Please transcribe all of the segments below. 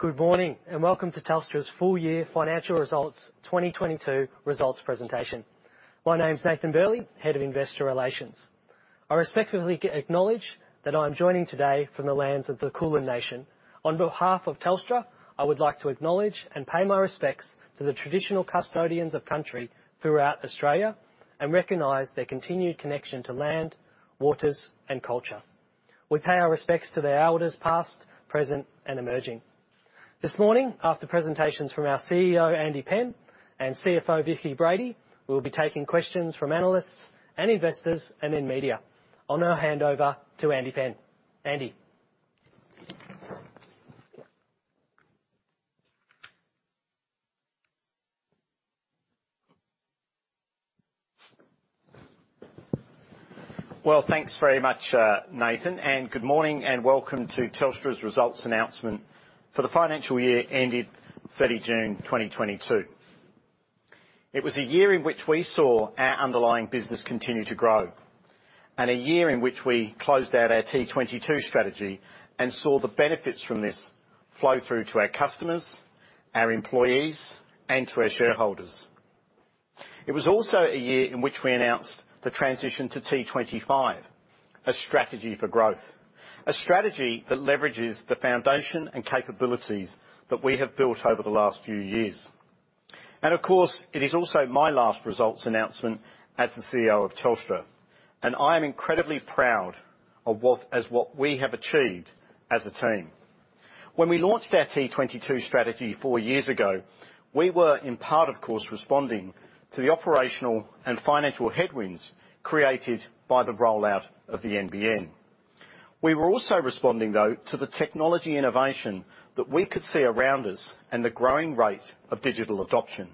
Good morning, and welcome to Telstra's Full Year Financial Results 2022 Results Presentation. My name's Nathan Burley, Head of Investor Relations. I respectfully acknowledge that I'm joining today from the lands of the Kulin Nation. On behalf of Telstra, I would like to acknowledge and pay my respects to the traditional custodians of country throughout Australia and recognize their continued connection to land, waters, and culture. We pay our respects to their elders past, present, and emerging. This morning, after presentations from our CEO, Andy Penn, and CFO, Vicki Brady, we'll be taking questions from analysts and investors and then media. I'll now hand over to Andy Penn. Andy? Well, thanks very much, Nathan, and good morning and welcome to Telstra's results announcement for the financial year ended 30 June 2022. It was a year in which we saw our underlying business continue to grow and a year in which we closed out our T22 strategy and saw the benefits from this flow through to our customers, our employees, and to our shareholders. It was also a year in which we announced the transition to T25, a strategy for growth, a strategy that leverages the foundation and capabilities that we have built over the last few years. Of course, it is also my last results announcement as the CEO of Telstra, and I am incredibly proud of what we have achieved as a team. When we launched our T22 strategy four years ago, we were in part, of course, responding to the operational and financial headwinds created by the rollout of the NBN. We were also responding, though, to the technology innovation that we could see around us and the growing rate of digital adoption.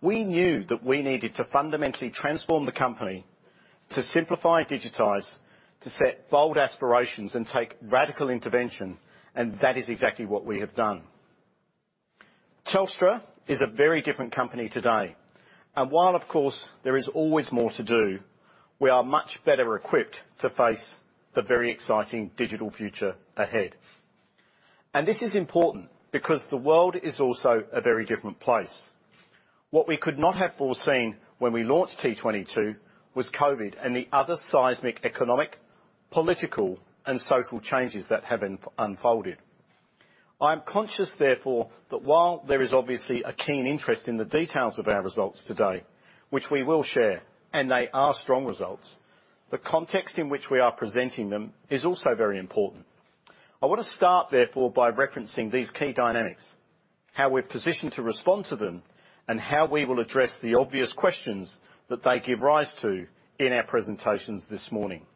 We knew that we needed to fundamentally transform the company to simplify, digitize, to set bold aspirations and take radical intervention, and that is exactly what we have done. Telstra is a very different company today, and while of course there is always more to do, we are much better equipped to face the very exciting digital future ahead. This is important because the world is also a very different place. What we could not have foreseen when we launched T22 was COVID and the other seismic economic, political, and social changes that have unfolded. I'm conscious, therefore, that while there is obviously a keen interest in the details of our results today, which we will share, and they are strong results, the context in which we are presenting them is also very important. I wanna start, therefore, by referencing these key dynamics, how we're positioned to respond to them, and how we will address the obvious questions that they give rise to in our presentations this morning.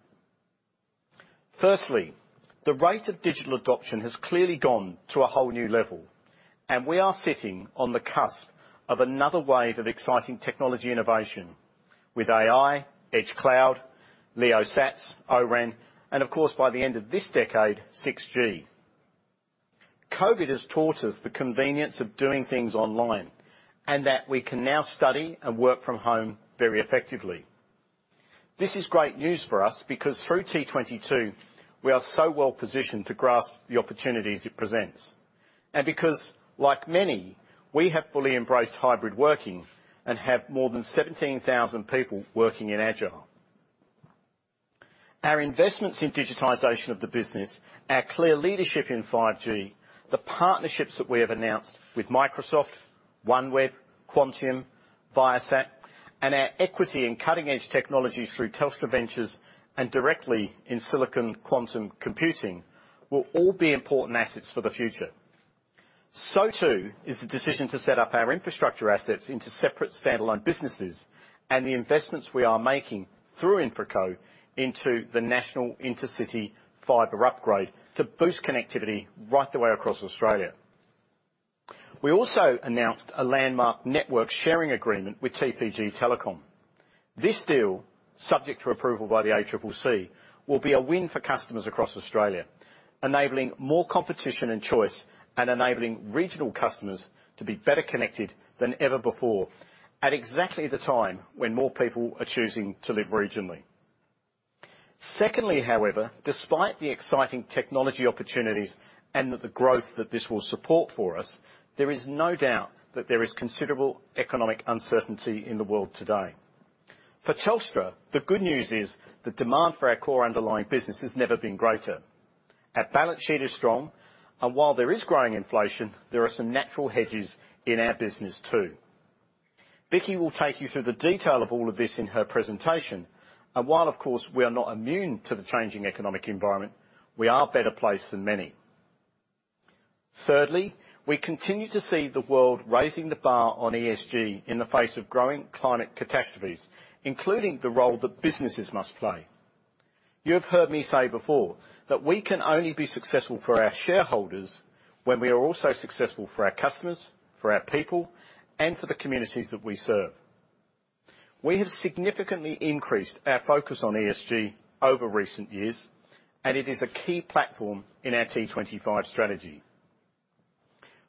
Firstly, the rate of digital adoption has clearly gone to a whole new level, and we are sitting on the cusp of another wave of exciting technology innovation with AI, Edge Cloud, LEOsats, ORAN, and of course, by the end of this decade, 6G. COVID has taught us the convenience of doing things online, and that we can now study and work from home very effectively. This is great news for us because through T22, we are so well positioned to grasp the opportunities it presents. Because like many, we have fully embraced hybrid working and have more than 17,000 people working in Agile. Our investments in digitization of the business, our clear leadership in 5G, the partnerships that we have announced with Microsoft, OneWeb, Quantium, Viasat, and our equity in cutting-edge technology through Telstra Ventures and directly in Silicon Quantum Computing will all be important assets for the future. Too is the decision to set up our infrastructure assets into separate standalone businesses and the investments we are making through InfraCo into the national intercity fiber upgrade to boost connectivity right the way across Australia. We also announced a landmark network sharing agreement with TPG Telecom. This deal, subject to approval by the ACCC, will be a win for customers across Australia, enabling more competition and choice, and enabling regional customers to be better connected than ever before at exactly the time when more people are choosing to live regionally. Secondly, however, despite the exciting technology opportunities and the growth that this will support for us, there is no doubt that there is considerable economic uncertainty in the world today. For Telstra, the good news is the demand for our core underlying business has never been greater. Our balance sheet is strong, and while there is growing inflation, there are some natural hedges in our business too. Vicki will take you through the detail of all of this in her presentation. While of course we are not immune to the changing economic environment, we are better placed than many. Thirdly, we continue to see the world raising the bar on ESG in the face of growing climate catastrophes, including the role that businesses must play. You have heard me say before that we can only be successful for our shareholders when we are also successful for our customers, for our people, and for the communities that we serve. We have significantly increased our focus on ESG over recent years, and it is a key platform in our T25 strategy.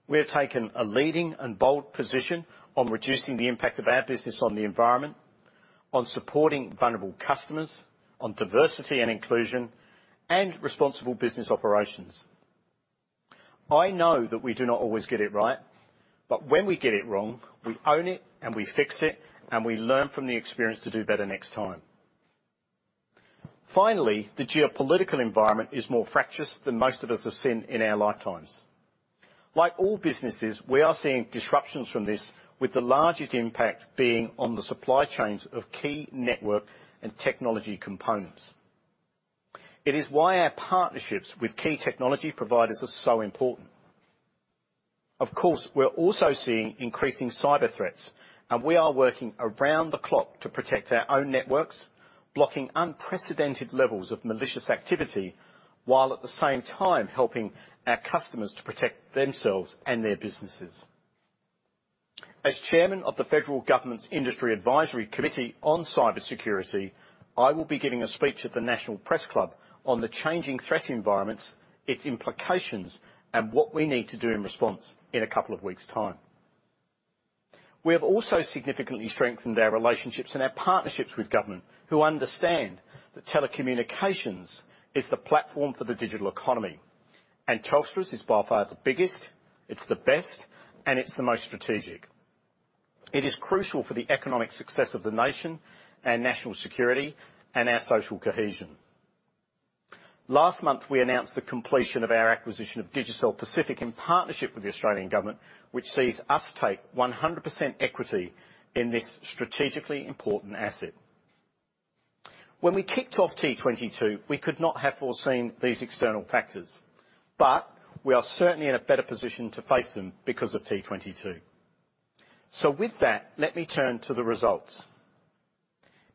We have taken a leading and bold position on reducing the impact of our business on the environment, on supporting vulnerable customers, on diversity and inclusion, and responsible business operations. I know that we do not always get it right, but when we get it wrong, we own it and we fix it, and we learn from the experience to do better next time. Finally, the geopolitical environment is more fractious than most of us have seen in our lifetimes. Like all businesses, we are seeing disruptions from this, with the largest impact being on the supply chains of key network and technology components. It is why our partnerships with key technology providers are so important. Of course, we're also seeing increasing cyber threats and we are working around the clock to protect our own networks, blocking unprecedented levels of malicious activity, while at the same time helping our customers to protect themselves and their businesses. As Chairman of the Federal Government's Industry Advisory Committee on Cybersecurity, I will be giving a speech at the National Press Club on the changing threat environments, its implications, and what we need to do in response in a couple of weeks' time. We have also significantly strengthened our relationships and our partnerships with government, who understand that telecommunications is the platform for the digital economy, and Telstra's is by far the biggest, it's the best, and it's the most strategic. It is crucial for the economic success of the nation and national security and our social cohesion. Last month, we announced the completion of our acquisition of Digicel Pacific in partnership with the Australian Government, which sees us take 100% equity in this strategically important asset. When we kicked off T22, we could not have foreseen these external factors, but we are certainly in a better position to face them because of T22. With that, let me turn to the results.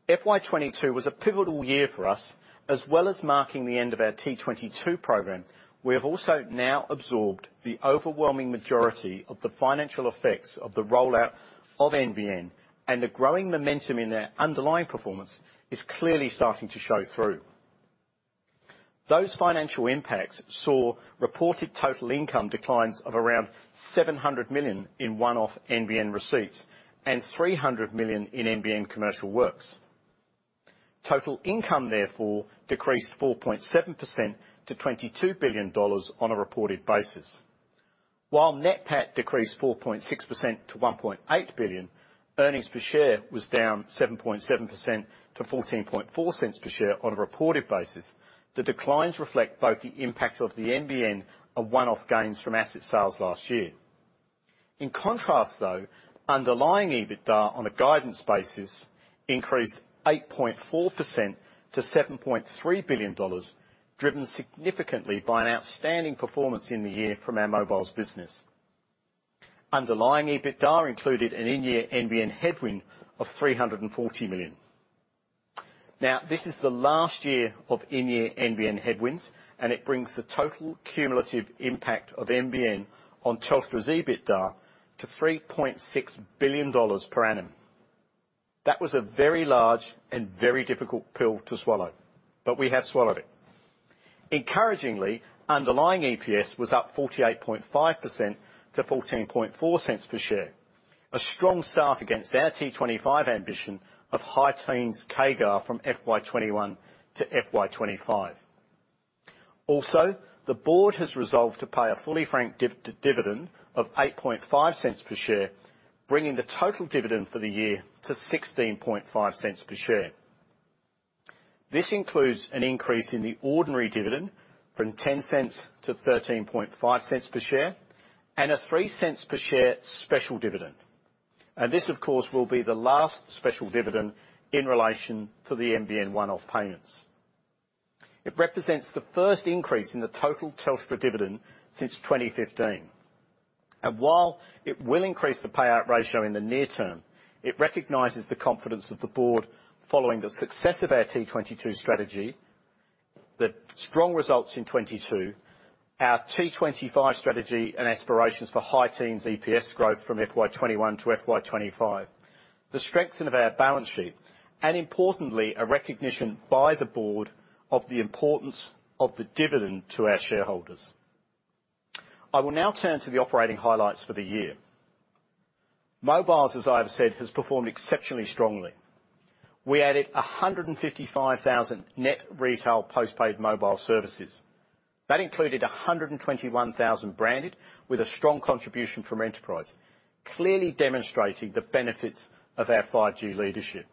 FY 2022 was a pivotal year for us. As well as marking the end of our T22 program, we have also now absorbed the overwhelming majority of the financial effects of the rollout of NBN, and a growing momentum in our underlying performance is clearly starting to show through. Those financial impacts saw reported total income declines of around 700 million in one-off NBN receipts and 300 million in NBN commercial works. Total income therefore decreased 4.7% to 22 billion dollars on a reported basis. While net PAT decreased 4.6% to 1.8 billion, earnings per share was down 7.7% to 0.144 per share on a reported basis. The declines reflect both the impact of the NBN and one-off gains from asset sales last year. In contrast, though, underlying EBITDA on a guidance basis increased 8.4% to 7.3 billion dollars, driven significantly by an outstanding performance in the year from our mobiles business. Underlying EBITDA included an in-year NBN headwind of 340 million. Now, this is the last year of in-year NBN headwinds, and it brings the total cumulative impact of NBN on Telstra's EBITDA to 3.6 billion dollars per annum. That was a very large and very difficult pill to swallow, but we have swallowed it. Encouragingly, underlying EPS was up 48.5% to 0.144 per share. A strong start against our T25 ambition of high teens CAGR from FY 2021 to FY 2025. Also, the board has resolved to pay a fully franked dividend of 8.5 per share, bringing the total dividend for the year to 0.165 per share. This includes an increase in the ordinary dividend from 0.10-0.135 per share and a 0.03 per share special dividend. This, of course, will be the last special dividend in relation to the NBN one-off payments. It represents the first increase in the total Telstra dividend since 2015. While it will increase the payout ratio in the near term, it recognizes the confidence of the board following the success of our T22 strategy, the strong results in 2022, our T25 strategy and aspirations for high teens EPS growth from FY 2021 to FY 2025, the strengthening of our balance sheet, and importantly, a recognition by the board of the importance of the dividend to our shareholders. I will now turn to the operating highlights for the year. Mobiles, as I have said, has performed exceptionally strongly. We added 155,000 net retail post-paid mobile services. That included 121,000 branded with a strong contribution from Enterprise, clearly demonstrating the benefits of our 5G leadership.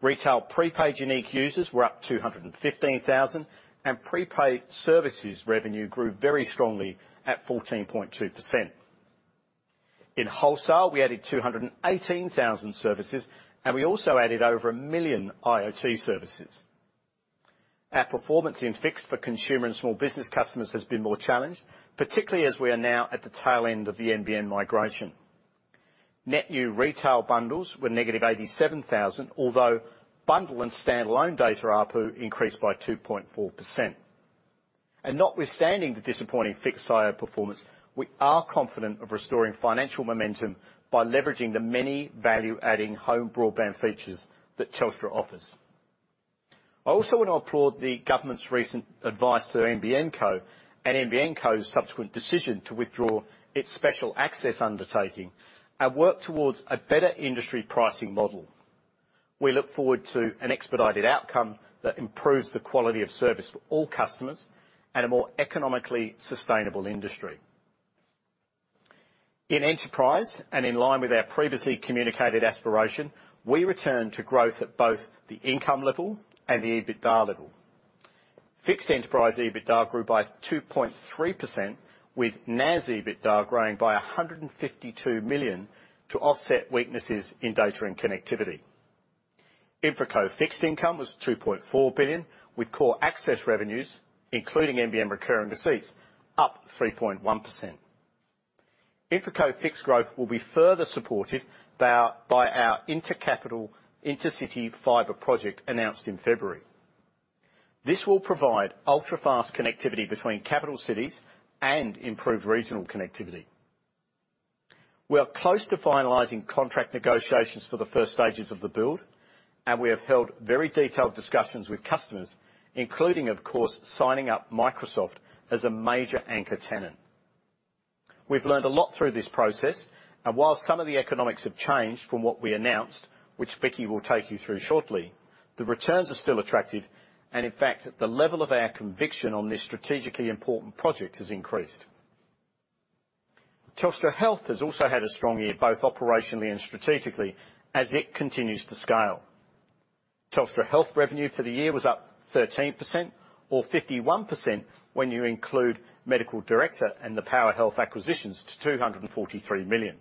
Retail prepaid unique users were up 215,000, and prepaid services revenue grew very strongly at 14.2%. In wholesale, we added 218,000 services, and we also added over 1 million IoT services. Our performance in fixed for consumer and small business customers has been more challenged, particularly as we are now at the tail end of the NBN migration. Net new retail bundles were negative 87,000, although bundle and standalone data ARPU increased by 2.4%. Notwithstanding the disappointing fixed IO performance, we are confident of restoring financial momentum by leveraging the many value-adding home broadband features that Telstra offers. I also want to applaud the government's recent advice to NBN Co. and NBN Co.'s subsequent decision to withdraw its special access undertaking and work towards a better industry pricing model. We look forward to an expedited outcome that improves the quality of service for all customers at a more economically sustainable industry. In Enterprise, in line with our previously communicated aspiration, we return to growth at both the income level and the EBITDA level. Fixed Enterprise EBITDA grew by 2.3% with NAS EBITDA growing by 152 million to offset weaknesses in data and connectivity. InfraCo Fixed income was 2.4 billion, with core access revenues, including NBN recurring receipts, up 3.1%. InfraCo Fixed growth will be further supported by our inter-capital inter-city fiber project announced in February. This will provide ultrafast connectivity between capital cities and improved regional connectivity. We are close to finalizing contract negotiations for the first stages of the build, and we have held very detailed discussions with customers, including, of course, signing up Microsoft as a major anchor tenant. We've learned a lot through this process, and while some of the economics have changed from what we announced, which Vicki will take you through shortly, the returns are still attractive, and in fact, the level of our conviction on this strategically important project has increased. Telstra Health has also had a strong year, both operationally and strategically, as it continues to scale. Telstra Health revenue for the year was up 13% or 51% when you include MedicalDirector and the PowerHealth acquisitions to 243 million.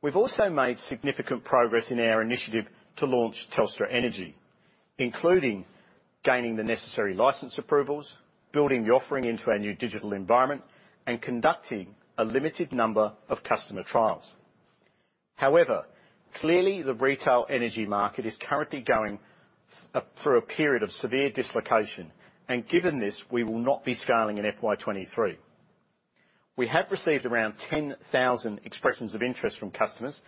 We've also made significant progress in our initiative to launch Telstra Energy, including gaining the necessary license approvals, building the offering into our new digital environment, and conducting a limited number of customer trials. However, clearly the retail energy market is currently going through a period of severe dislocation, and given this, we will not be scaling in FY 2023. We have received around 10,000 expressions of interest from customers,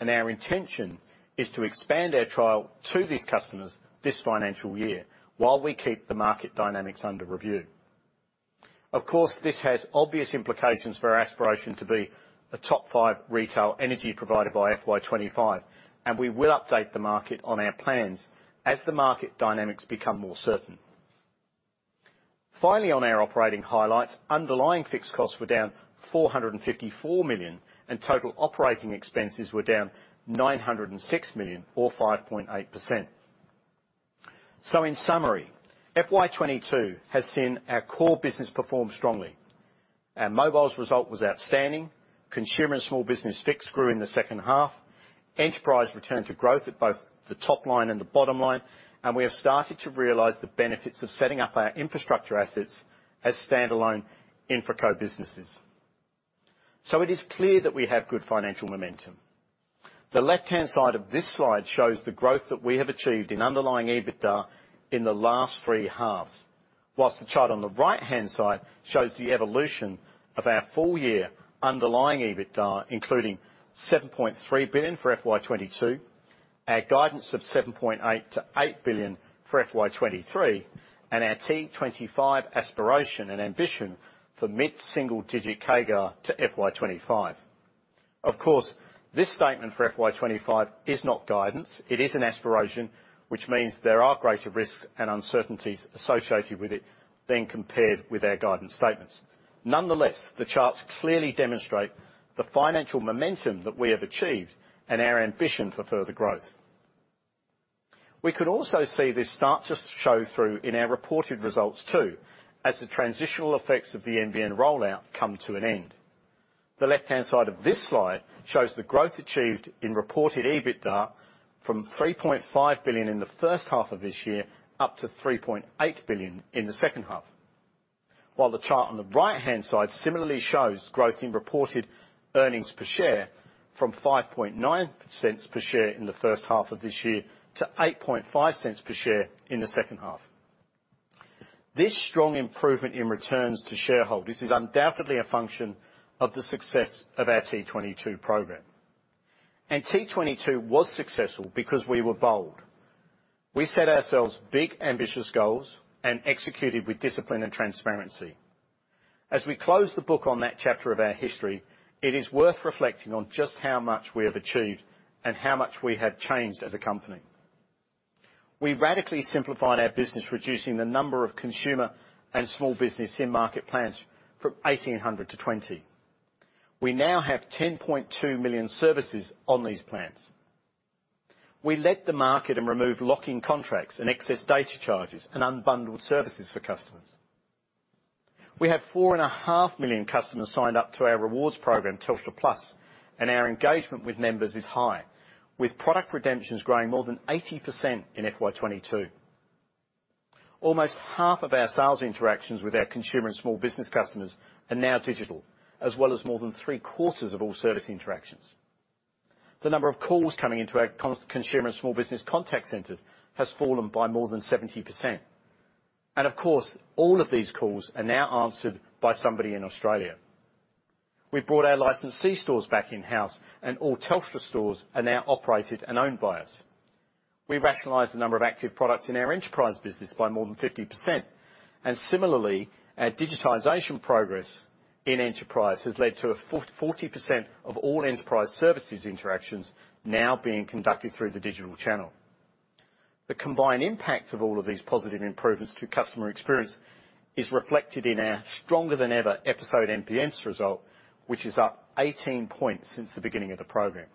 and our intention is to expand our trial to these customers this financial year while we keep the market dynamics under review. Of course, this has obvious implications for our aspiration to be a top five retail energy provider by FY 2025, and we will update the market on our plans as the market dynamics become more certain. Finally, on our operating highlights, underlying fixed costs were down 454 million, and total operating expenses were down 906 million or 5.8%. In summary, FY 2022 has seen our core business perform strongly. Our mobiles result was outstanding. Consumer and small business fixed grew in the second half. Enterprise returned to growth at both the top line and the bottom line. We have started to realize the benefits of setting up our infrastructure assets as standalone InfraCo businesses. It is clear that we have good financial momentum. The left-hand side of this slide shows the growth that we have achieved in underlying EBITDA in the last three halves. While the chart on the right-hand side shows the evolution of our full year underlying EBITDA, including 7.3 billion for FY 2022, our guidance of 7.8 billion-8 billion for FY 2023, and our T25 aspiration and ambition for mid-single-digit CAGR to FY 2025. Of course, this statement for FY 2025 is not guidance. It is an aspiration, which means there are greater risks and uncertainties associated with it being compared with our guidance statements. Nonetheless, the charts clearly demonstrate the financial momentum that we have achieved and our ambition for further growth. We could also see this start to show through in our reported results too, as the transitional effects of the NBN rollout come to an end. The left-hand side of this slide shows the growth achieved in reported EBITDA from 3.5 billion in the first half of this year up to 3.8 billion in the second half. The chart on the right-hand side similarly shows growth in reported earnings per share from 0.059 per share in the first half of this year to 0.085 per share in the second half. This strong improvement in returns to shareholders is undoubtedly a function of the success of our T22 program. T22 was successful because we were bold. We set ourselves big, ambitious goals and executed with discipline and transparency. As we close the book on that chapter of our history, it is worth reflecting on just how much we have achieved and how much we have changed as a company. We radically simplified our business, reducing the number of consumer and small business in-market plans from 1,800 to 2,000. We now have 10.2 million services on these plans. We removed lock-in contracts and excess data charges and unbundled services for customers. We have 4.5 million customers signed up to our rewards program, Telstra Plus, and our engagement with members is high, with product redemptions growing more than 80% in FY 2022. Almost half of our sales interactions with our consumer and small business customers are now digital, as well as more than three-quarters of all service interactions. The number of calls coming into our consumer and small business contact centers has fallen by more than 70%. Of course, all of these calls are now answered by somebody in Australia. We brought our licensed Telstra stores back in-house, and all Telstra stores are now operated and owned by us. We rationalized the number of active products in our enterprise business by more than 50%. Our digitization progress in enterprise has led to 40% of all enterprise services interactions now being conducted through the digital channel. The combined impact of all of these positive improvements to customer experience is reflected in our stronger than ever NPS result, which is up 18 points since the beginning of the program.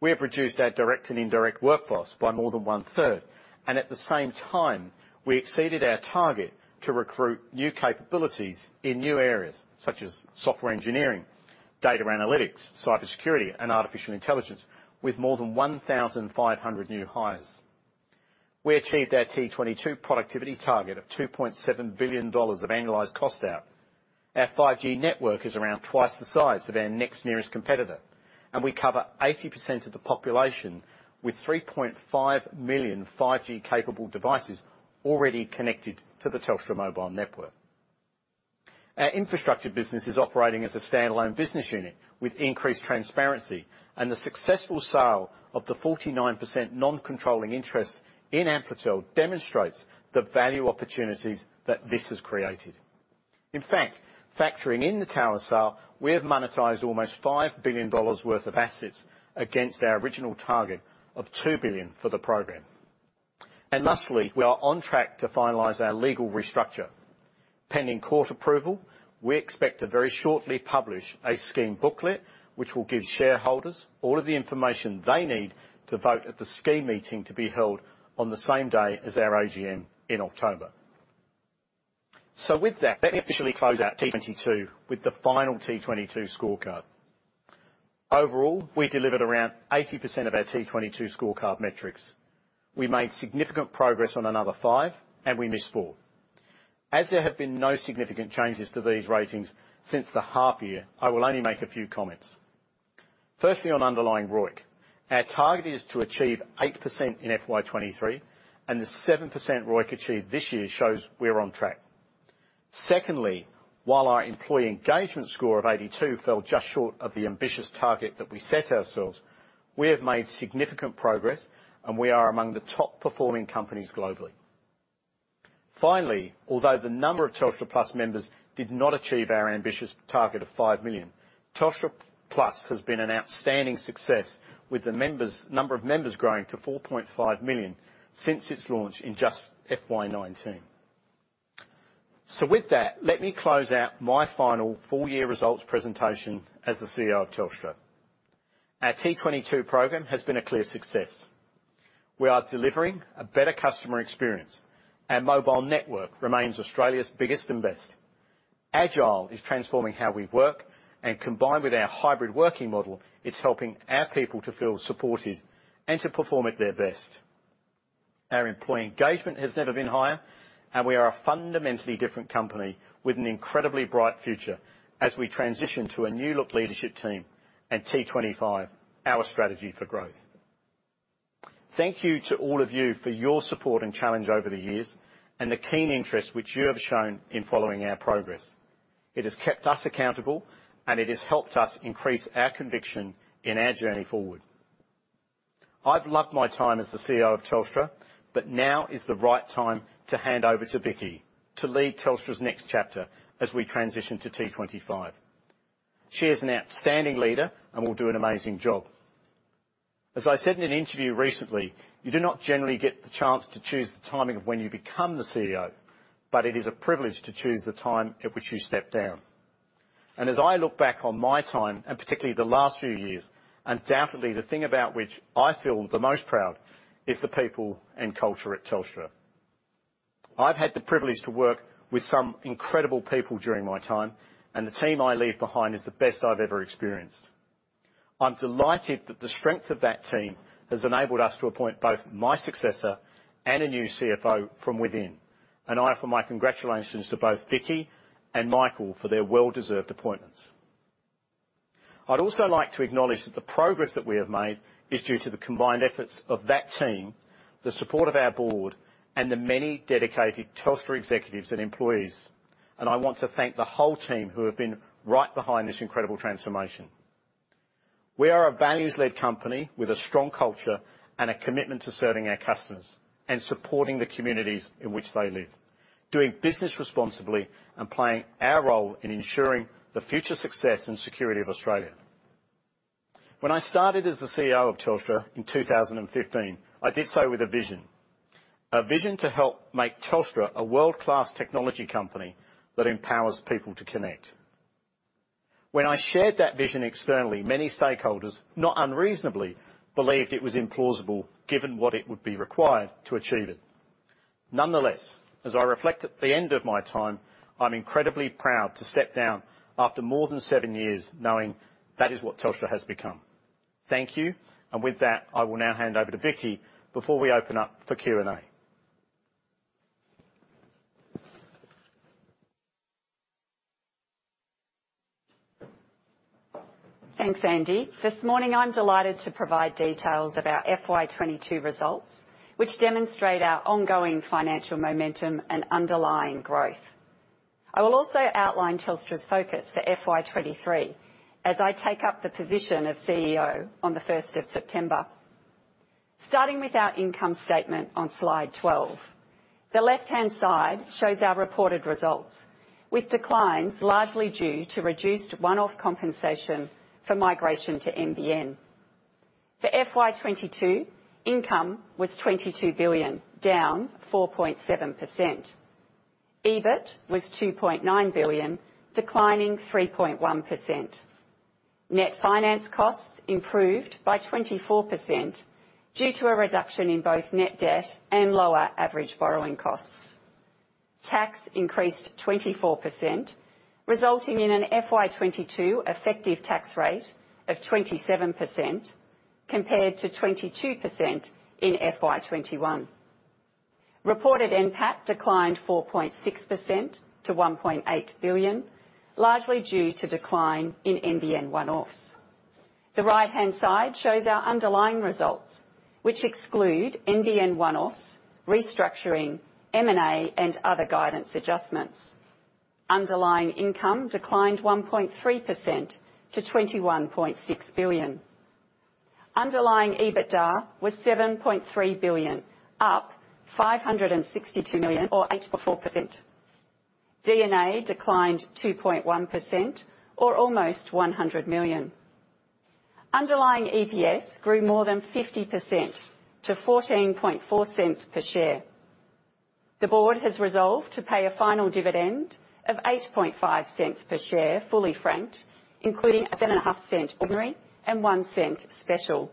We have reduced our direct and indirect workforce by more than one-third, and at the same time, we exceeded our target to recruit new capabilities in new areas such as software engineering, data analytics, cybersecurity, and artificial intelligence with more than 1,500 new hires. We achieved our T22 productivity target of 2.7 billion dollars of annualized cost out. Our 5G network is around twice the size of our next nearest competitor, and we cover 80% of the population with 3.5 million 5G capable devices already connected to the Telstra mobile network. Our infrastructure business is operating as a standalone business unit with increased transparency and the successful sale of the 49% non-controlling interest in Amplitel demonstrates the value opportunities that this has created. In fact, factoring in the tower sale, we have monetized almost 5 billion dollars worth of assets against our original target of 2 billion for the program. Lastly, we are on track to finalize our legal restructure. Pending court approval, we expect to very shortly publish a scheme booklet, which will give shareholders all of the information they need to vote at the scheme meeting to be held on the same day as our AGM in October. With that, let me officially close out T22 with the final T22 scorecard. Overall, we delivered around 80% of our T22 scorecard metrics. We made significant progress on another five, and we missed four. As there have been no significant changes to these ratings since the half year, I will only make a few comments. Firstly, on underlying ROIC. Our target is to achieve 8% in FY 2023, and the 7% ROIC achieved this year shows we're on track. Secondly, while our employee engagement score of 82 fell just short of the ambitious target that we set ourselves, we have made significant progress, and we are among the top-performing companies globally. Finally, although the number of Telstra Plus members did not achieve our ambitious target of 5 million, Telstra Plus has been an outstanding success, with the number of members growing to 4.5 million since its launch in just FY 2019. With that, let me close out my final full-year results presentation as the CEO of Telstra. Our T22 program has been a clear success. We are delivering a better customer experience. Our mobile network remains Australia's biggest and best. Agile is transforming how we work, and combined with our hybrid working model, it's helping our people to feel supported and to perform at their best. Our employee engagement has never been higher, and we are a fundamentally different company with an incredibly bright future as we transition to a new-look leadership team and T25, our strategy for growth. Thank you to all of you for your support and challenge over the years and the keen interest which you have shown in following our progress. It has kept us accountable, and it has helped us increase our conviction in our journey forward. I've loved my time as the CEO of Telstra, but now is the right time to hand over to Vicki to lead Telstra's next chapter as we transition to T25. She is an outstanding leader and will do an amazing job. As I said in an interview recently, you do not generally get the chance to choose the timing of when you become the CEO, but it is a privilege to choose the time at which you step down. As I look back on my time, and particularly the last few years, undoubtedly, the thing about which I feel the most proud is the people and culture at Telstra. I've had the privilege to work with some incredible people during my time, and the team I leave behind is the best I've ever experienced. I'm delighted that the strength of that team has enabled us to appoint both my successor and a new CFO from within. I offer my congratulations to both Vicki and Michael for their well-deserved appointments. I'd also like to acknowledge that the progress that we have made is due to the combined efforts of that team, the support of our board, and the many dedicated Telstra executives and employees. I want to thank the whole team who have been right behind this incredible transformation. We are a values-led company with a strong culture and a commitment to serving our customers and supporting the communities in which they live, doing business responsibly and playing our role in ensuring the future success and security of Australia. When I started as the CEO of Telstra in 2015, I did so with a vision. A vision to help make Telstra a world-class technology company that empowers people to connect. When I shared that vision externally, many stakeholders, not unreasonably, believed it was implausible, given what it would be required to achieve it. Nonetheless, as I reflect at the end of my time, I'm incredibly proud to step down after more than seven years knowing that is what Telstra has become. Thank you. With that, I will now hand over to Vicki before we open up for Q&A. Thanks, Andy. This morning, I'm delighted to provide details about FY 2022 results, which demonstrate our ongoing financial momentum and underlying growth. I will also outline Telstra's focus for FY 2023, as I take up the position of CEO on the first of September. Starting with our income statement on slide 12. The left-hand side shows our reported results, with declines largely due to reduced one-off compensation for migration to NBN. For FY 2022, income was AUD 22 billion, down 4.7%. EBIT was AUD 2.9 billion, declining 3.1%. Net finance costs improved by 24% due to a reduction in both net debt and lower average borrowing costs. Tax increased 24%, resulting in an FY 2022 effective tax rate of 27% compared to 22% in FY 2021. Reported NPAT declined 4.6% to 1.8 billion, largely due to decline in NBN one-offs. The right-hand side shows our underlying results, which exclude NBN one-offs, restructuring, M&A, and other guidance adjustments. Underlying income declined 1.3% to 21.6 billion. Underlying EBITDA was 7.3 billion, up 562 million or 8.4%. D&A declined 2.1% or almost 100 million. Underlying EPS grew more than 50% to 0.144 per share. The board has resolved to pay a final dividend of 0.085 per share, fully franked, including a 0.075 ordinary and 0.01 special.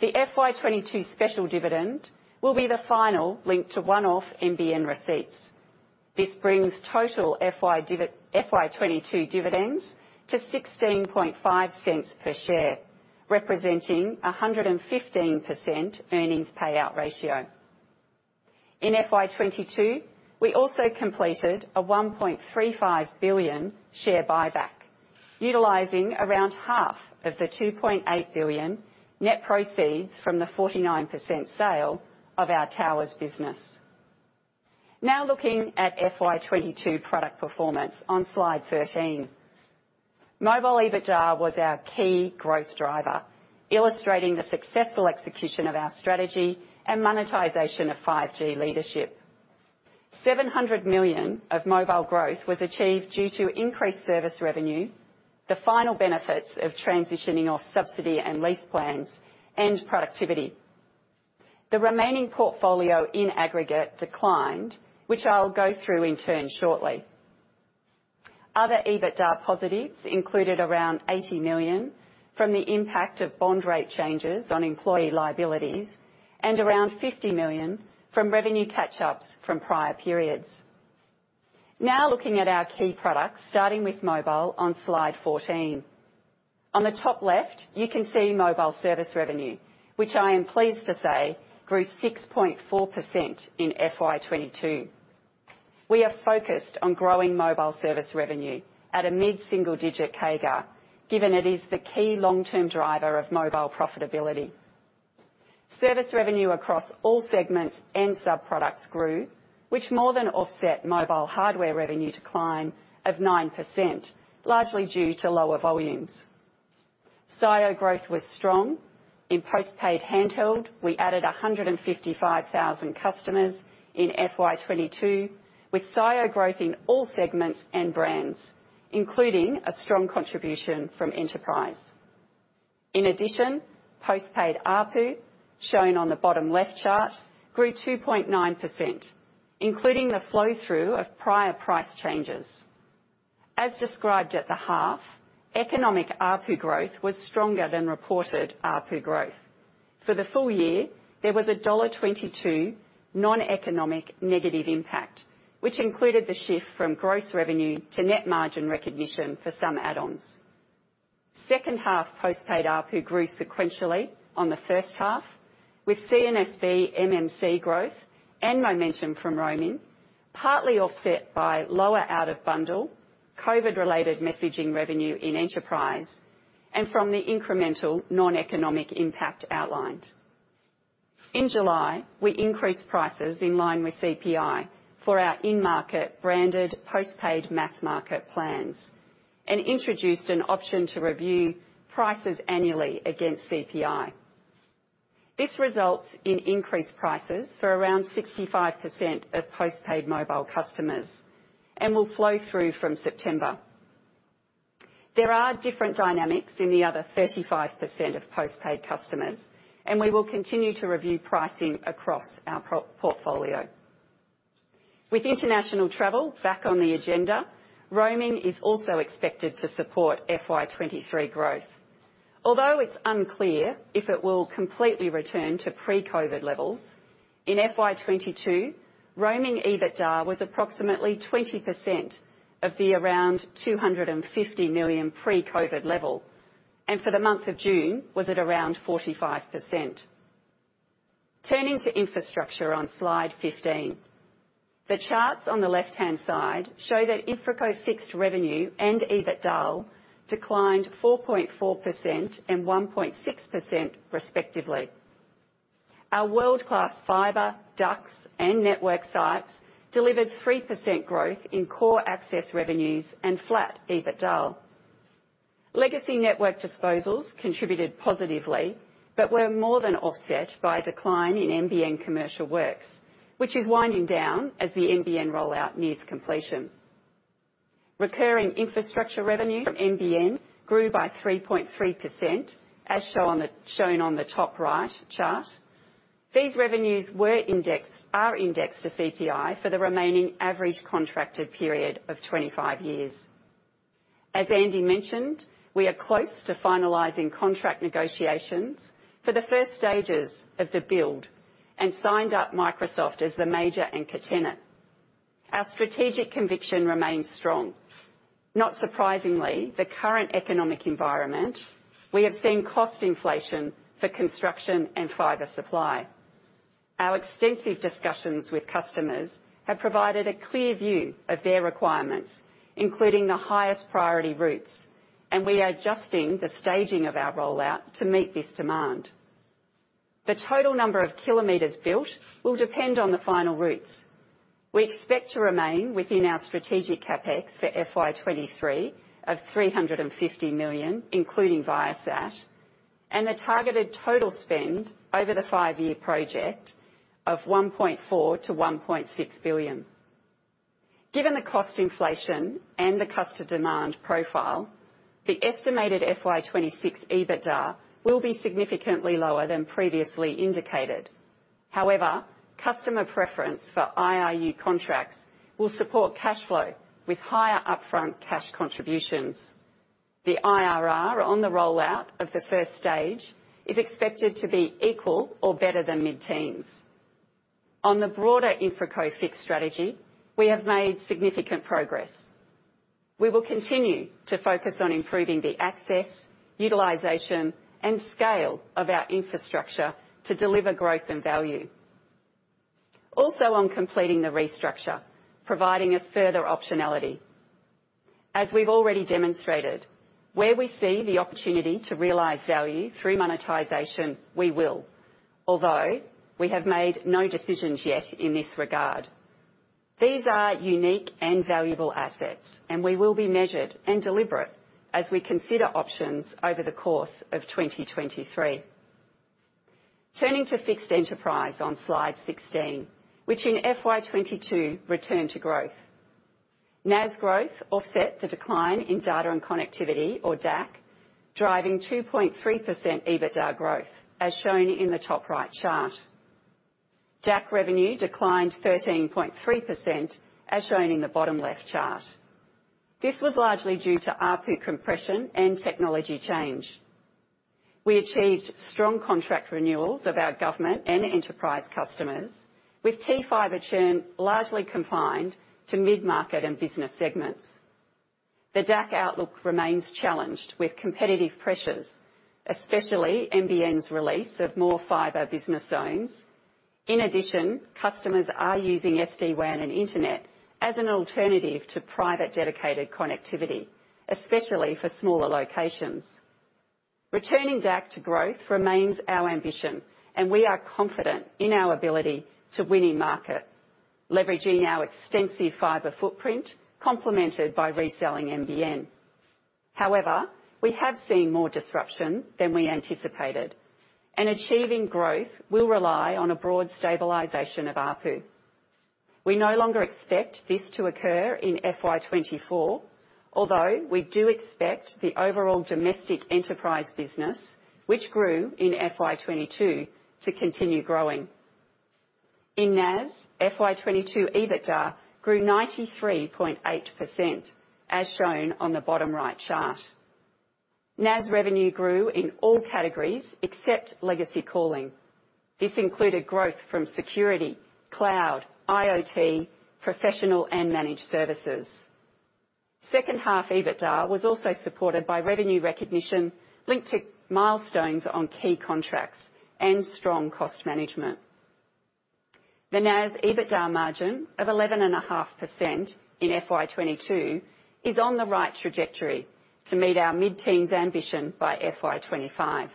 The FY 2022 special dividend will be the final link to one-off NBN receipts. This brings total FY 2022 dividends to 0.165 per share, representing a 115% earnings payout ratio. In FY 2022, we also completed a 1.35 billion share buyback, utilizing around half of the 2.8 billion net proceeds from the 49% sale of our Towers business. Now looking at FY 2022 product performance on slide 13. Mobile EBITDA was our key growth driver, illustrating the successful execution of our strategy and monetization of 5G leadership. 700 million of mobile growth was achieved due to increased service revenue, the final benefits of transitioning off subsidy and lease plans, and productivity. The remaining portfolio in aggregate declined, which I'll go through in turn shortly. Other EBITDA positives included around 80 million from the impact of bond rate changes on employee liabilities and around 50 million from revenue catch-ups from prior periods. Now looking at our key products, starting with mobile on slide 14. On the top left, you can see mobile service revenue, which I am pleased to say grew 6.4% in FY 2022. We are focused on growing mobile service revenue at a mid-single digit CAGR, given it is the key long-term driver of mobile profitability. Service revenue across all segments and sub-products grew, which more than offset mobile hardware revenue decline of 9%, largely due to lower volumes. SIO growth was strong. In postpaid handheld, we added 155,000 customers in FY 2022 with SIO growth in all segments and brands, including a strong contribution from Enterprise. In addition, postpaid ARPU, shown on the bottom left chart, grew 2.9%, including the flow through of prior price changes. As described at the half, economic ARPU growth was stronger than reported ARPU growth. For the full year, there was a dollar 1.22 non-economic negative impact, which included the shift from gross revenue to net margin recognition for some add-ons. Second half postpaid ARPU grew sequentially on the first half with C&SB MMC growth and momentum from roaming, partly offset by lower out-of-bundle COVID-related messaging revenue in Enterprise and from the incremental non-economic impact outlined. In July, we increased prices in line with CPI for our in-market branded postpaid mass market plans and introduced an option to review prices annually against CPI. This results in increased prices for around 65% of postpaid mobile customers and will flow through from September. There are different dynamics in the other 35% of postpaid customers, and we will continue to review pricing across our portfolio. With international travel back on the agenda, roaming is also expected to support FY 2023 growth. Although it's unclear if it will completely return to pre-COVID levels, in FY 2022, roaming EBITDA was approximately 20% of the around 250 million pre-COVID level and for the month of June was at around 45%. Turning to infrastructure on slide 15. The charts on the left-hand side show that InfraCo Fixed revenue and EBITDAaL declined 4.4% and 1.6% respectively. Our world-class fiber, ducts, and network sites delivered 3% growth in core access revenues and flat EBITDAaL. Legacy network disposals contributed positively, but were more than offset by a decline in NBN commercial works, which is winding down as the NBN rollout nears completion. Recurring infrastructure revenue from NBN grew by 3.3%, shown on the top right chart. These revenues are indexed to CPI for the remaining average contracted period of 25 years. As Andy mentioned, we are close to finalizing contract negotiations for the first stages of the build and signed up Microsoft as the major anchor tenant. Our strategic conviction remains strong. Not surprisingly, in the current economic environment, we have seen cost inflation for construction and fiber supply. Our extensive discussions with customers have provided a clear view of their requirements, including the highest priority routes, and we are adjusting the staging of our rollout to meet this demand. The total number of kilometers built will depend on the final routes. We expect to remain within our strategic CapEx for FY 2023 of AUD 350 million, including Viasat, and the targeted total spend over the five-year project of 1.4 billion-1.6 billion. Given the cost inflation and the customer demand profile, the estimated FY 2026 EBITDA will be significantly lower than previously indicated. However, customer preference for IRU contracts will support cash flow with higher upfront cash contributions. The IRR on the rollout of the first stage is expected to be equal or better than mid-teens. On the broader InfraCo Fixed strategy, we have made significant progress. We will continue to focus on improving the access, utilization, and scale of our infrastructure to deliver growth and value. Also, on completing the restructure, providing us further optionality. As we've already demonstrated, where we see the opportunity to realize value through monetization, we will. Although, we have made no decisions yet in this regard. These are unique and valuable assets, and we will be measured and deliberate as we consider options over the course of 2023. Turning to Fixed Enterprise on slide 16, which in FY 2022 returned to growth. NAS growth offset the decline in data and connectivity or DAC, driving 2.3% EBITDA growth, as shown in the top right chart. DAC revenue declined 13.3%, as shown in the bottom left chart. This was largely due to ARPU compression and technology change. We achieved strong contract renewals of our government and enterprise customers, with T-Fibre churn largely confined to mid-market and business segments. The DAC outlook remains challenged with competitive pressures, especially NBN's release of more fiber business zones. In addition, customers are using SD-WAN and internet as an alternative to private dedicated connectivity, especially for smaller locations. Returning DAC to growth remains our ambition, and we are confident in our ability to win in market, leveraging our extensive fiber footprint, complemented by reselling NBN. However, we have seen more disruption than we anticipated, and achieving growth will rely on a broad stabilization of ARPU. We no longer expect this to occur in FY 2024, although we do expect the overall domestic enterprise business, which grew in FY 2022, to continue growing. In NAS, FY 2022 EBITDA grew 93.8%, as shown on the bottom right chart. NAS revenue grew in all categories except legacy calling. This included growth from security, cloud, IoT, professional, and managed services. Second half EBITDA was also supported by revenue recognition linked to milestones on key contracts and strong cost management. The NAS EBITDA margin of 11.5% in FY 2022 is on the right trajectory to meet our mid-teens ambition by FY 2025.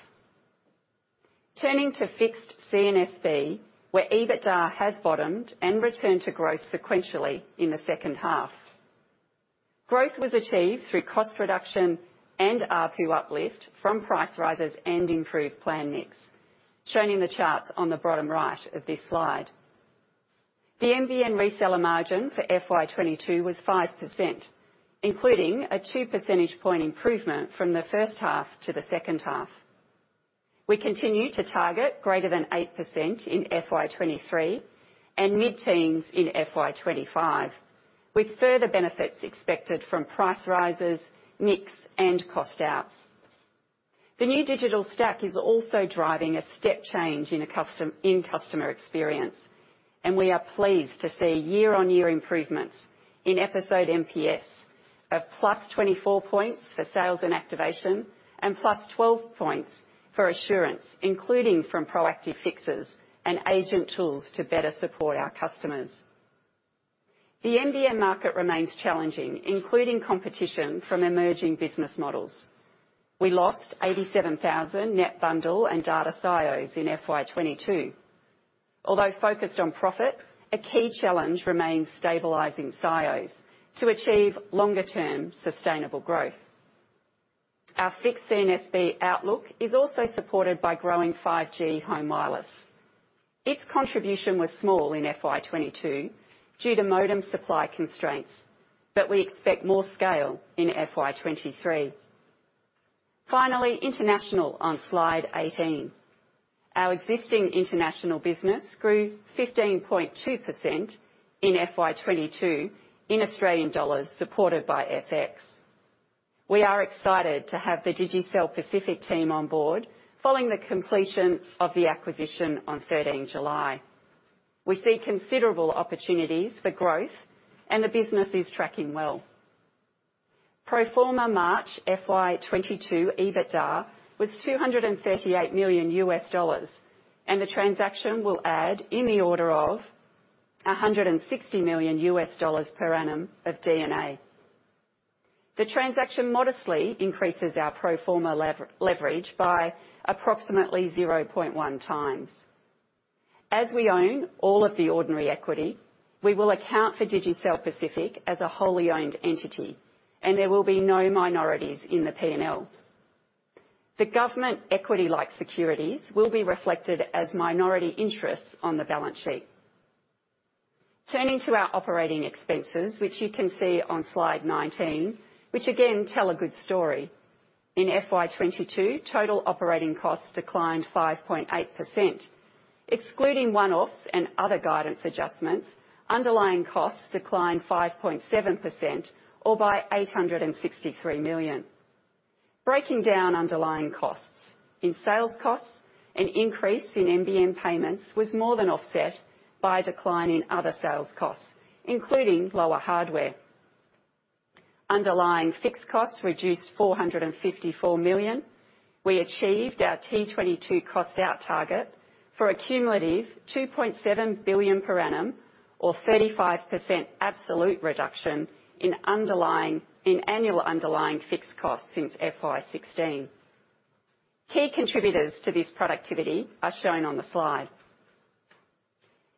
Turning to Fixed C&SB, where EBITDA has bottomed and returned to growth sequentially in the second half. Growth was achieved through cost reduction and ARPU uplift from price rises and improved plan mix, shown in the charts on the bottom right of this slide. The NBN reseller margin for FY22 was 5%, including a two percentage point improvement from the first half to the second half. We continue to target greater than 8% in FY 2023 and mid-teens in FY 2025, with further benefits expected from price rises, mix, and cost out. The new digital stack is also driving a step change in customer experience. We are pleased to see year-on-year improvements in episode NPS of +24 points for sales and activation, and +12 points for assurance, including from proactive fixes and agent tools to better support our customers. The NBN market remains challenging, including competition from emerging business models. We lost 87,000 net bundle and data SIMs in FY 2022. Although focused on profit, a key challenge remains stabilizing SIMs to achieve longer term sustainable growth. Our fixed NBN outlook is also supported by growing 5G home wireless. Its contribution was small in FY 2022 due to modem supply constraints, but we expect more scale in FY 2023. Finally, international on slide 18. Our existing international business grew 15.2% in FY 2022 in Australian dollars, supported by FX. We are excited to have the Digicel Pacific team on board following the completion of the acquisition on thirteenth July. We see considerable opportunities for growth, and the business is tracking well. Pro forma March FY 2022 EBITDA was $238 million, and the transaction will add in the order of $160 million per annum of EBITDA. The transaction modestly increases our pro forma leverage by approximately 0.1x. As we own all of the ordinary equity, we will account for Digicel Pacific as a wholly owned entity, and there will be no minorities in the P&L. The government equity-like securities will be reflected as minority interests on the balance sheet. Turning to our operating expenses, which you can see on slide 19, which again tell a good story. In FY 2022, total operating costs declined 5.8%. Excluding one-offs and other guidance adjustments, underlying costs declined 5.7% or by 863 million. Breaking down underlying costs. In sales costs, an increase in NBN payments was more than offset by a decline in other sales costs, including lower hardware. Underlying fixed costs reduced 454 million. We achieved our T 2022 cost out target for a cumulative 2.7 billion per annum or 35% absolute reduction in annual underlying fixed costs since FY 2016. Key contributors to this productivity are shown on the slide.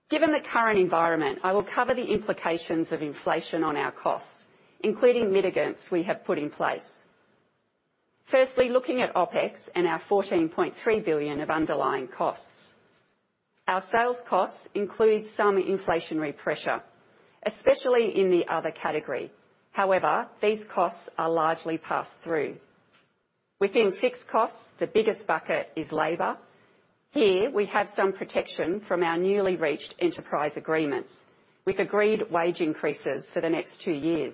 Given the current environment, I will cover the implications of inflation on our costs, including mitigants we have put in place. Firstly, looking at OpEx and our 14.3 billion of underlying costs. Our sales costs include some inflationary pressure, especially in the other category. However, these costs are largely passed through. Within fixed costs, the biggest bucket is labor. Here we have some protection from our newly reached enterprise agreements with agreed wage increases for the next two years.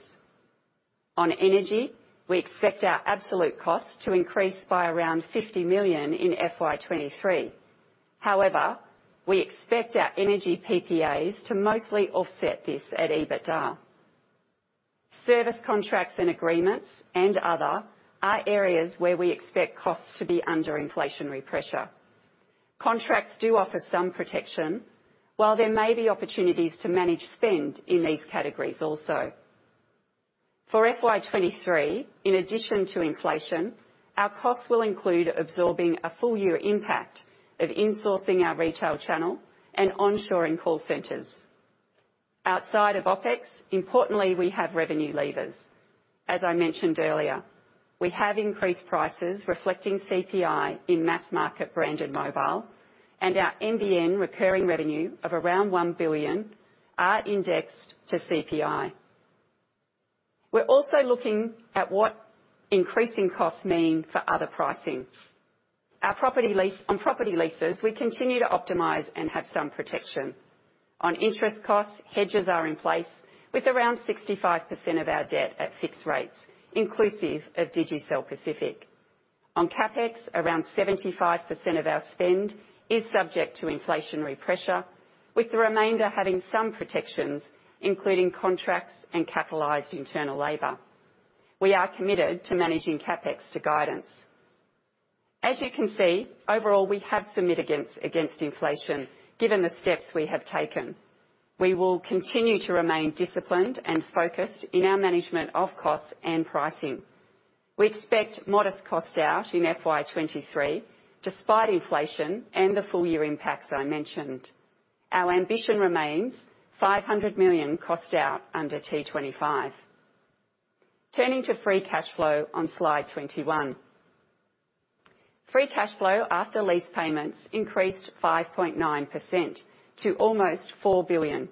On energy, we expect our absolute costs to increase by around 50 million in FY 2023. However, we expect our energy PPAs to mostly offset this at EBITDA. Service contracts and agreements and other are areas where we expect costs to be under inflationary pressure. Contracts do offer some protection, while there may be opportunities to manage spend in these categories also. For FY 2023, in addition to inflation, our costs will include absorbing a full year impact of insourcing our retail channel and onshoring call centers. Outside of OpEx, importantly, we have revenue levers. As I mentioned earlier, we have increased prices reflecting CPI in mass market branded mobile and our NBN recurring revenue of around 1 billion are indexed to CPI. We're also looking at what increasing costs mean for other pricing. On property leases, we continue to optimize and have some protection. On interest costs, hedges are in place with around 65% of our debt at fixed rates, inclusive of Digicel Pacific. On CapEx, around 75% of our spend is subject to inflationary pressure, with the remainder having some protections, including contracts and capitalized internal labor. We are committed to managing CapEx to guidance. As you can see, overall, we have some mitigants against inflation, given the steps we have taken. We will continue to remain disciplined and focused in our management of costs and pricing. We expect modest cost out in FY 2023 despite inflation and the full year impacts I mentioned. Our ambition remains 500 million cost out under T25. Turning to free cash flow on slide 21. Free cash flow after lease payments increased 5.9% to almost 4 billion,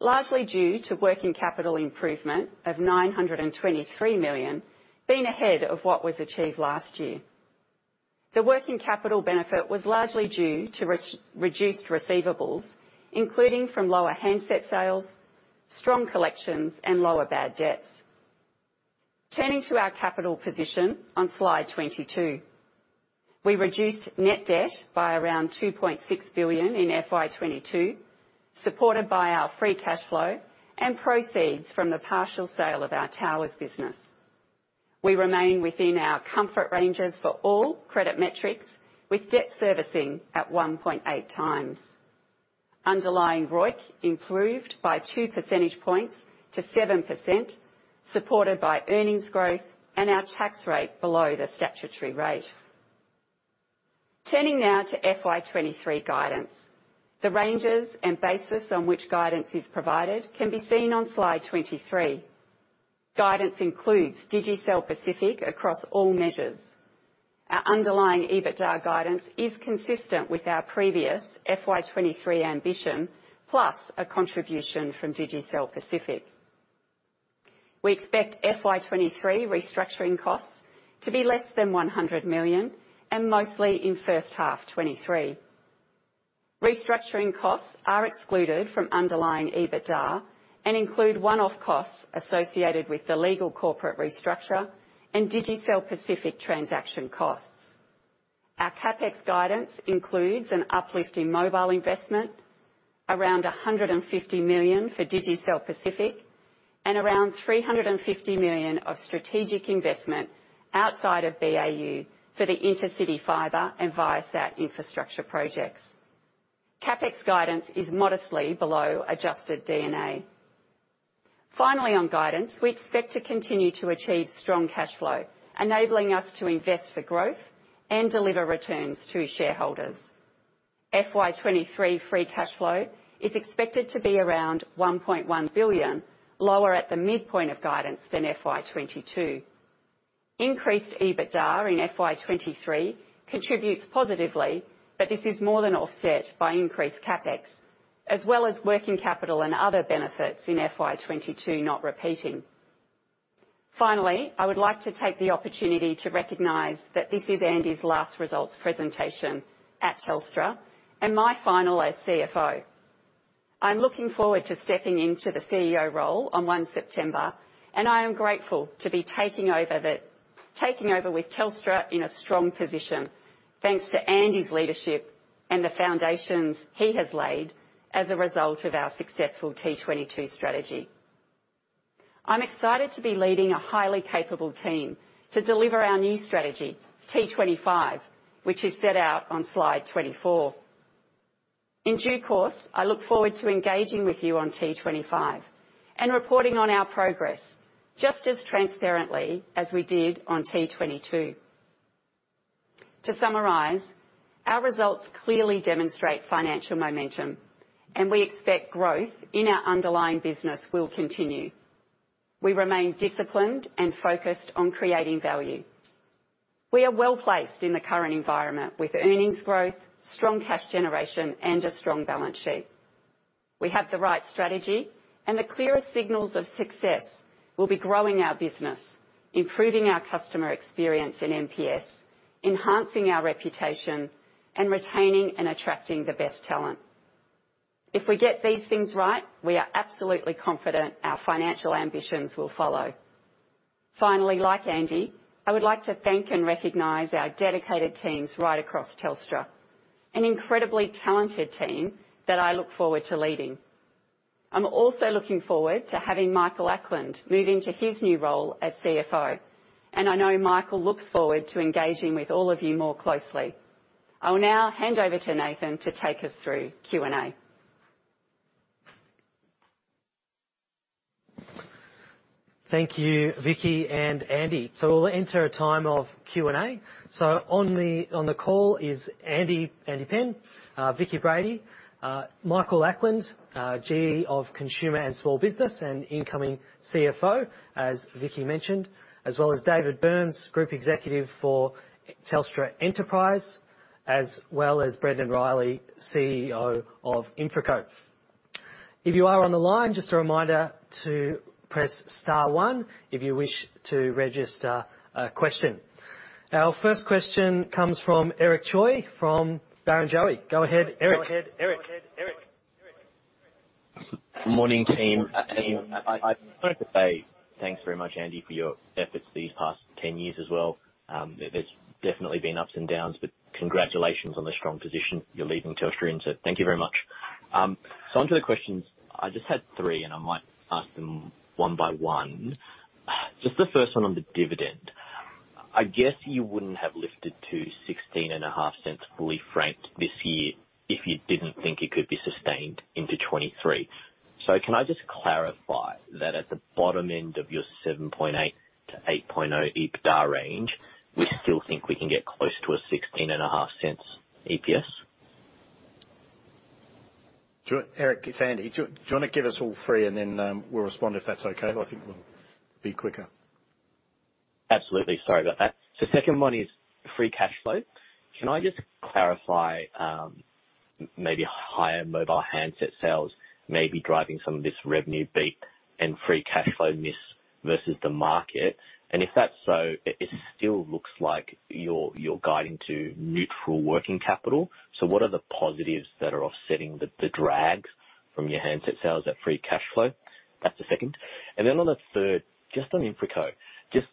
largely due to working capital improvement of 923 million being ahead of what was achieved last year. The working capital benefit was largely due to reduced receivables, including from lower handset sales, strong collections, and lower bad debts. Turning to our capital position on slide 22. We reduced net debt by around 2.6 billion in FY 2022, supported by our free cash flow and proceeds from the partial sale of our towers business. We remain within our comfort ranges for all credit metrics, with debt servicing at 1.8 times. Underlying ROIC improved by 2 percentage points to 7%, supported by earnings growth and our tax rate below the statutory rate. Turning now to FY 2023 guidance. The ranges and basis on which guidance is provided can be seen on slide 23. Guidance includes Digicel Pacific across all measures. Our underlying EBITDA guidance is consistent with our previous FY 2023 ambition, plus a contribution from Digicel Pacific. We expect FY 2023 restructuring costs to be less than 100 million and mostly in first half 2023. Restructuring costs are excluded from underlying EBITDA and include one-off costs associated with the legal corporate restructure and Digicel Pacific transaction costs. Our CapEx guidance includes an uplift in mobile investment around 150 million for Digicel Pacific and around 350 million of strategic investment outside of BAU for the intercity fiber and Viasat infrastructure projects. CapEx guidance is modestly below adjusted D&A. Finally, on guidance, we expect to continue to achieve strong cash flow, enabling us to invest for growth and deliver returns to shareholders. FY 2023 free cash flow is expected to be around 1.1 billion, lower at the midpoint of guidance than FY 2022. Increased EBITDA in FY 2023 contributes positively, but this is more than offset by increased CapEx as well as working capital and other benefits in FY 2022 not repeating. Finally, I would like to take the opportunity to recognize that this is Andy's last results presentation at Telstra and my final as CFO. I'm looking forward to stepping into the CEO role on 1 September, and I am grateful to be taking over with Telstra in a strong position. Thanks to Andy's leadership and the foundations he has laid as a result of our successful T22 strategy. I'm excited to be leading a highly capable team to deliver our new strategy, T25, which is set out on slide 24. In due course, I look forward to engaging with you on T25 and reporting on our progress, just as transparently as we did on T22. To summarize, our results clearly demonstrate financial momentum, and we expect growth in our underlying business will continue. We remain disciplined and focused on creating value. We are well-placed in the current environment with earnings growth, strong cash generation, and a strong balance sheet. We have the right strategy and the clearest signals of success will be growing our business, improving our customer experience in NPS, enhancing our reputation, and retaining and attracting the best talent. If we get these things right, we are absolutely confident our financial ambitions will follow. Finally, like Andy, I would like to thank and recognize our dedicated teams right across Telstra, an incredibly talented team that I look forward to leading. I'm also looking forward to having Michael Ackland move into his new role as CFO, and I know Michael looks forward to engaging with all of you more closely. I will now hand over to Nathan to take us through Q&A. Thank you, Vicki and Andy. We'll enter a time of Q&A. On the call is Andy Penn, Vicki Brady, Michael Ackland, GE of Consumer and Small Business and incoming CFO, as Vicki mentioned, as well as David Burns, Group Executive for Telstra Enterprise, as well as Brendon Riley, CEO of InfraCo. If you are on the line, just a reminder to press star one if you wish to register a question. Our first question comes from Eric Choi from Barrenjoey. Go ahead, Eric. Morning, team. I just wanted to say thanks very much, Andy, for your efforts these past 10 years as well. There's definitely been ups and downs, but congratulations on the strong position you're leaving Telstra into. Thank you very much. Onto the questions. I just had three, and I might ask them one by one. Just the first one on the dividend. I guess you wouldn't have lifted to 0.165 fully franked this year if you didn't think it could be sustained into 2023. Can I just clarify that at the bottom end of your 7.8-8.0 EBITDA range, we still think we can get close to a 0.165 EPS? Eric, it's Andy. Do you wanna give us all three and then, we'll respond if that's okay? I think we'll be quicker. Absolutely. Sorry about that. Second one is free cash flow. Can I just clarify, maybe higher mobile handset sales may be driving some of this revenue beat and free cash flow miss versus the market. And if that's so, it still looks like you're guiding to neutral working capital. What are the positives that are offsetting the drags from your handset sales at free cash flow? That's the second. Then on the third, just on InfraCo. Just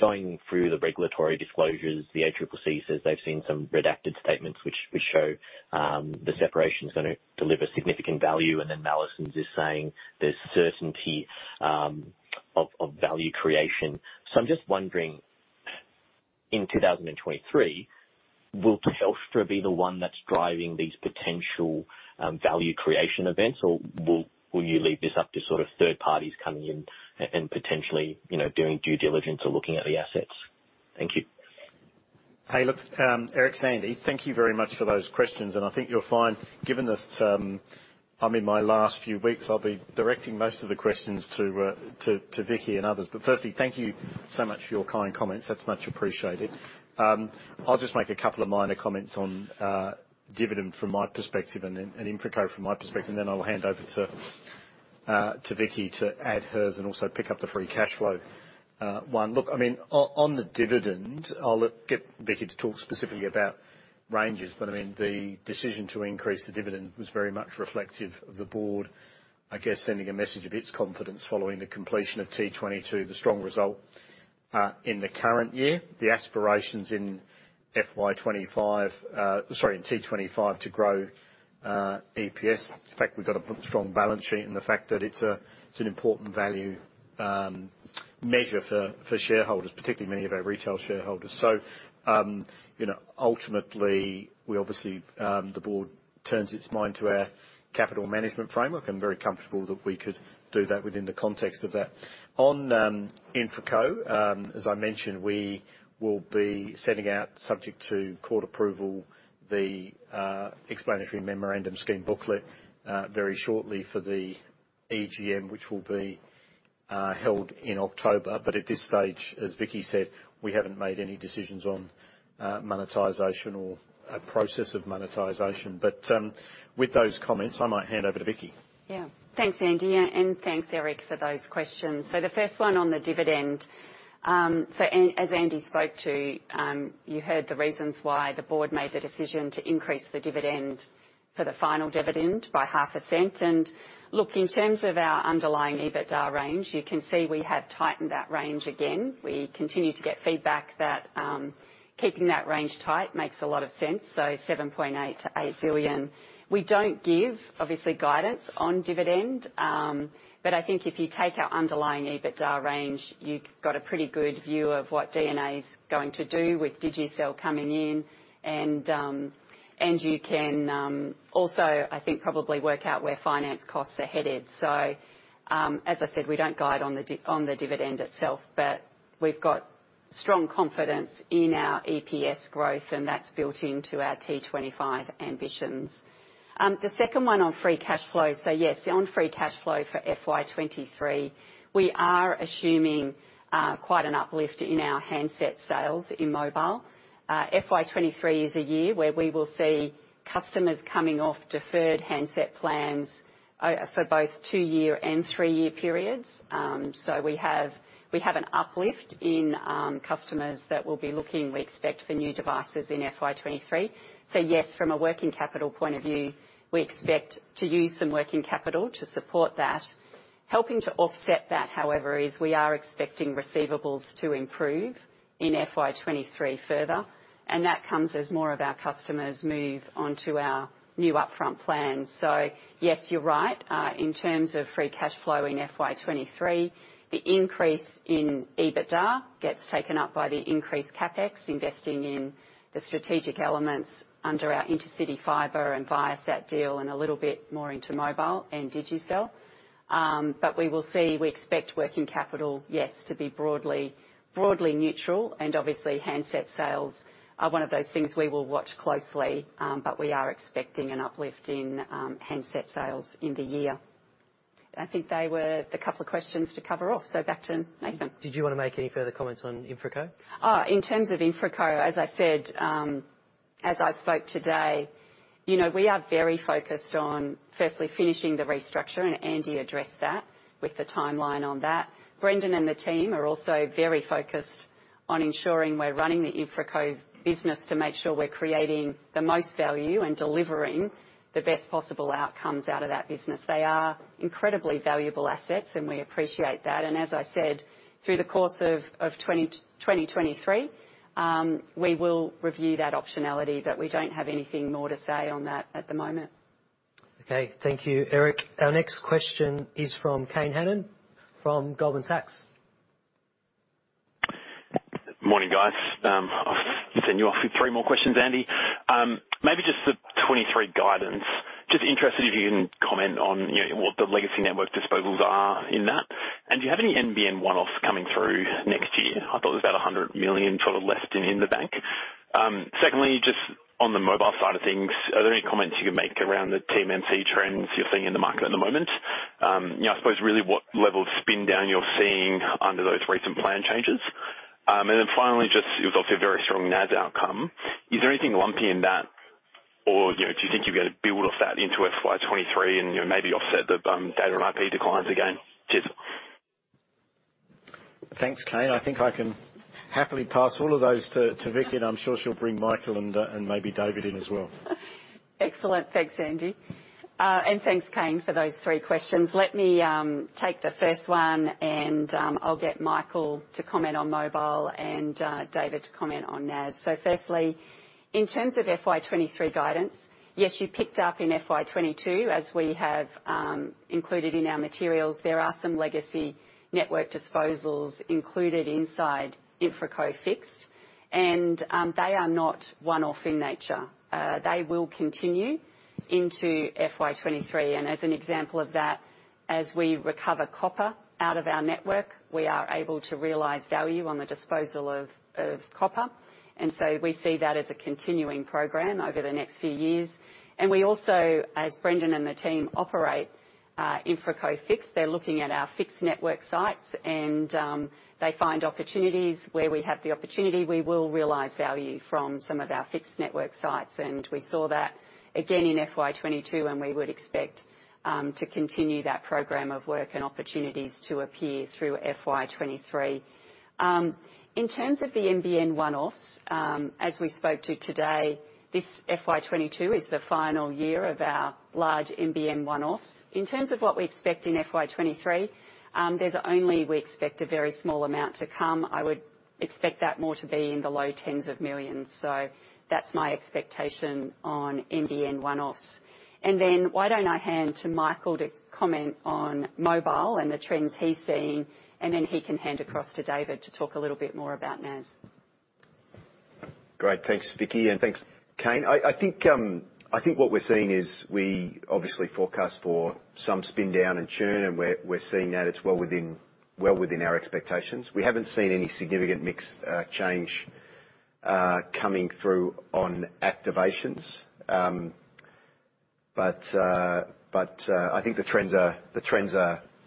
going through the regulatory disclosures, the ACCC says they've seen some redacted statements which show the separation's gonna deliver significant value, and then Mallesons is saying there's certainty of value creation. I'm just wondering, in 2023, will Telstra be the one that's driving these potential, value creation events or will you leave this up to sort of third parties coming in and potentially, you know, doing due diligence or looking at the assets? Thank you. Hey, look, Eric Choi, thank you very much for those questions. I think you'll find, given this, I mean, my last few weeks, I'll be directing most of the questions to Vicki and others. Firstly, thank you so much for your kind comments. That's much appreciated. I'll just make a couple of minor comments on dividend from my perspective and then InfraCo from my perspective, and then I will hand over to Vicki to add hers and also pick up the free cash flow one. Look, I mean, on the dividend, I'll let Vicki to talk specifically about ranges, but I mean, the decision to increase the dividend was very much reflective of the board, I guess, sending a message of its confidence following the completion of T22, the strong result in the current year, the aspirations in T25 to grow EPS. The fact we've got a strong balance sheet and the fact that it's an important value measure for shareholders, particularly many of our retail shareholders. You know, ultimately, we obviously, the board turns its mind to our capital management framework. I'm very comfortable that we could do that within the context of that. On InfraCo, as I mentioned, we will be sending out subject to court approval, the explanatory memorandum scheme booklet very shortly for the EGM which will be held in October. At this stage, as Vicki said, we haven't made any decisions on monetization or a process of monetization. With those comments, I might hand over to Vicki. Yeah. Thanks, Andy. Yeah, thanks, Eric, for those questions. The first one on the dividend. As Andy spoke to, you heard the reasons why the board made the decision to increase the dividend for the final dividend by half a cent. Look, in terms of our underlying EBITDA range, you can see we have tightened that range again. We continue to get feedback that, keeping that range tight makes a lot of sense. 7.8 billion-8 billion. We don't give, obviously, guidance on dividend, but I think if you take our underlying EBITDA range, you've got a pretty good view of what D&A is going to do with Digicel coming in. You can also, I think, probably work out where finance costs are headed. As I said, we don't guide on the dividend itself, but we've got strong confidence in our EPS growth, and that's built into our T25 ambitions. The second one on free cash flow. Yes, on free cash flow for FY 2023, we are assuming quite an uplift in our handset sales in mobile. FY 2023 is a year where we will see customers coming off deferred handset plans for both two-year and three-year periods. We have an uplift in customers that will be looking, we expect, for new devices in FY 2023. Yes, from a working capital point of view, we expect to use some working capital to support that. Helping to offset that, however, is we are expecting receivables to improve in FY 2023 further, and that comes as more of our customers move on to our new upfront plans. Yes, you're right. In terms of free cash flow in FY 2023, the increase in EBITDA gets taken up by the increased CapEx investing in the strategic elements under our Intercity Fiber and Viasat deal and a little bit more into mobile and Digicel. But we will see, we expect working capital, yes, to be broadly neutral, and obviously, handset sales are one of those things we will watch closely, but we are expecting an uplift in handset sales in the year. I think they were the couple of questions to cover off. Back to Nathan. Did you wanna make any further comments on InfraCo? In terms of InfraCo, as I said, as I spoke today, you know, we are very focused on firstly finishing the restructure, and Andy addressed that with the timeline on that. Brendon and the team are also very focused on ensuring we're running the InfraCo business to make sure we're creating the most value and delivering the best possible outcomes out of that business. They are incredibly valuable assets, and we appreciate that. As I said, through the course of 2023, we will review that optionality, but we don't have anything more to say on that at the moment. Okay. Thank you, Eric. Our next question is from Kane Hannan from Goldman Sachs. Morning, guys. I'll send you off with three more questions, Andy. Maybe just the 2023 guidance. Just interested if you can comment on, you know, what the legacy network disposals are in that. Do you have any NBN one-offs coming through next year? I thought it was about 100 million sort of left in the bank. Secondly, just on the mobile side of things, are there any comments you can make around the MNC trends you're seeing in the market at the moment? You know, I suppose, really what level of spin down you're seeing under those recent plan changes. Finally, just it was obviously a very strong net adds outcome. Is there anything lumpy in that? you know, do you think you're gonna build off that into FY 2023 and, you know, maybe offset the data and IP declines again? Cheers. Thanks, Kane. I think I can happily pass all of those to Vicki, and I'm sure she'll bring Michael and maybe David in as well. Excellent. Thanks, Andy. Thanks, Kane, for those three questions. Let me take the first one and I'll get Michael to comment on mobile and David to comment on NAS. Firstly, in terms of FY 2023 guidance, yes, you picked up in FY 2022, as we have included in our materials. There are some legacy network disposals included inside InfraCo Fixed, and they are not one-off in nature. They will continue into FY 2023. As an example of that, as we recover copper out of our network, we are able to realize value on the disposal of copper. We see that as a continuing program over the next few years. We also, as Brendon and the team operate, InfraCo Fixed, they're looking at our fixed network sites and they find opportunities. Where we have the opportunity, we will realize value from some of our fixed network sites. We saw that again in FY 2022, and we would expect to continue that program of work and opportunities to appear through FY 2023. In terms of the NBN one-offs, as we spoke to today, this FY 2022 is the final year of our large NBN one-offs. In terms of what we expect in FY 2023, we expect a very small amount to come. I would expect that more to be in the low tens of millions. So that's my expectation on NBN one-offs. Then why don't I hand to Michael to comment on mobile and the trends he's seeing, and then he can hand across to David to talk a little bit more about NAS. Great. Thanks, Vicki, and thanks, Kane. I think what we're seeing is we obviously forecast for some spin down in churn, and we're seeing that it's well within our expectations. We haven't seen any significant mix change coming through on activations. But I think the trends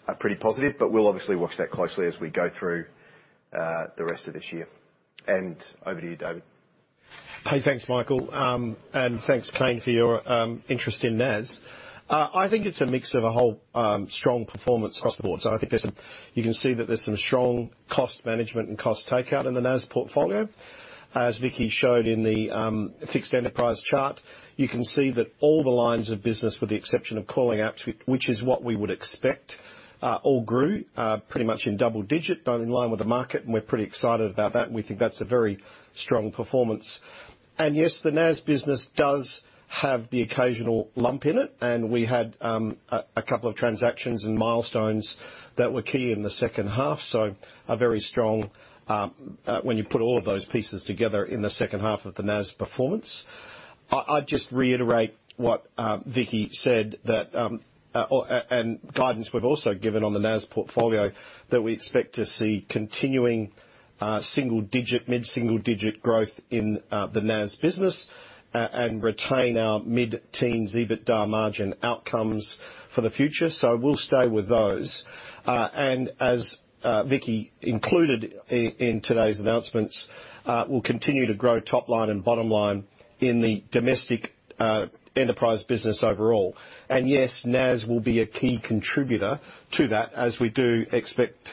are pretty positive, but we'll obviously watch that closely as we go through the rest of this year. Over to you, David. Hey, thanks, Michael. Thanks, Kane, for your interest in NAS. I think it's a mix of overall strong performance across the board. You can see that there's some strong cost management and cost takeout in the NAS portfolio. As Vicki showed in the Fixed Enterprise chart, you can see that all the lines of business, with the exception of calling apps, which is what we would expect, all grew pretty much in double digits, but in line with the market, and we're pretty excited about that, and we think that's a very strong performance. Yes, the NAS business does have the occasional lump in it, and we had a couple of transactions and milestones that were key in the second half, so a very strong second half when you put all of those pieces together in the NAS performance. I'd just reiterate what Vicki said, that and guidance we've also given on the NAS portfolio that we expect to see continuing single digit, mid-single digit growth in the NAS business and retain our mid-teen EBITDA margin outcomes for the future. We'll stay with those. As Vicki included in today's announcements, we'll continue to grow top line and bottom line in the domestic enterprise business overall. Yes, NAS will be a key contributor to that as we do expect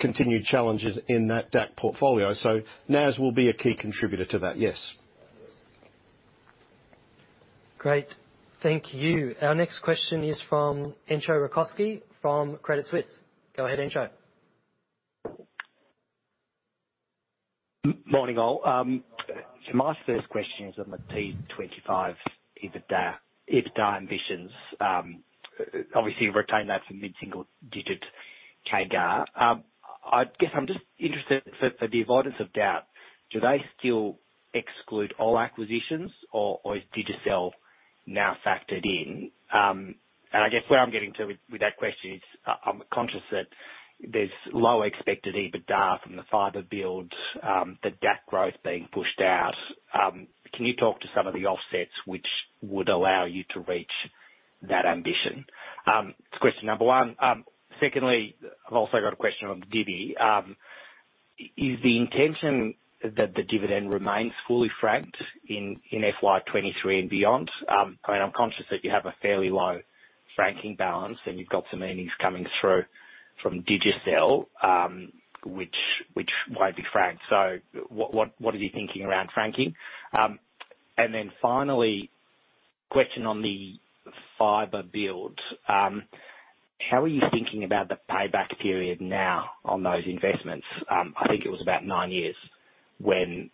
continued challenges in that DAC portfolio. NAS will be a key contributor to that, yes. Great. Thank you. Our next question is from Entcho Raykovski from Credit Suisse. Go ahead, Entcho. Morning, all. My first question is on the T25 EBITDA ambitions. Obviously you retain that for mid-single digit CAGR. I guess I'm just interested, for the avoidance of doubt, do they still exclude all acquisitions or is Digicel now factored in? I guess where I'm getting to with that question is I'm conscious that there's lower expected EBITDA from the fiber build, the DAC growth being pushed out. Can you talk to some of the offsets which would allow you to reach that ambition? That's question number one. Secondly, I've also got a question on divvy. Is the intention that the dividend remains fully franked in FY 2023 and beyond? I mean, I'm conscious that you have a fairly low franking balance, and you've got some earnings coming through from Digicel, which won't be franked. What are you thinking around franking? Finally, question on the fiber build. How are you thinking about the payback period now on those investments? I think it was about nine years when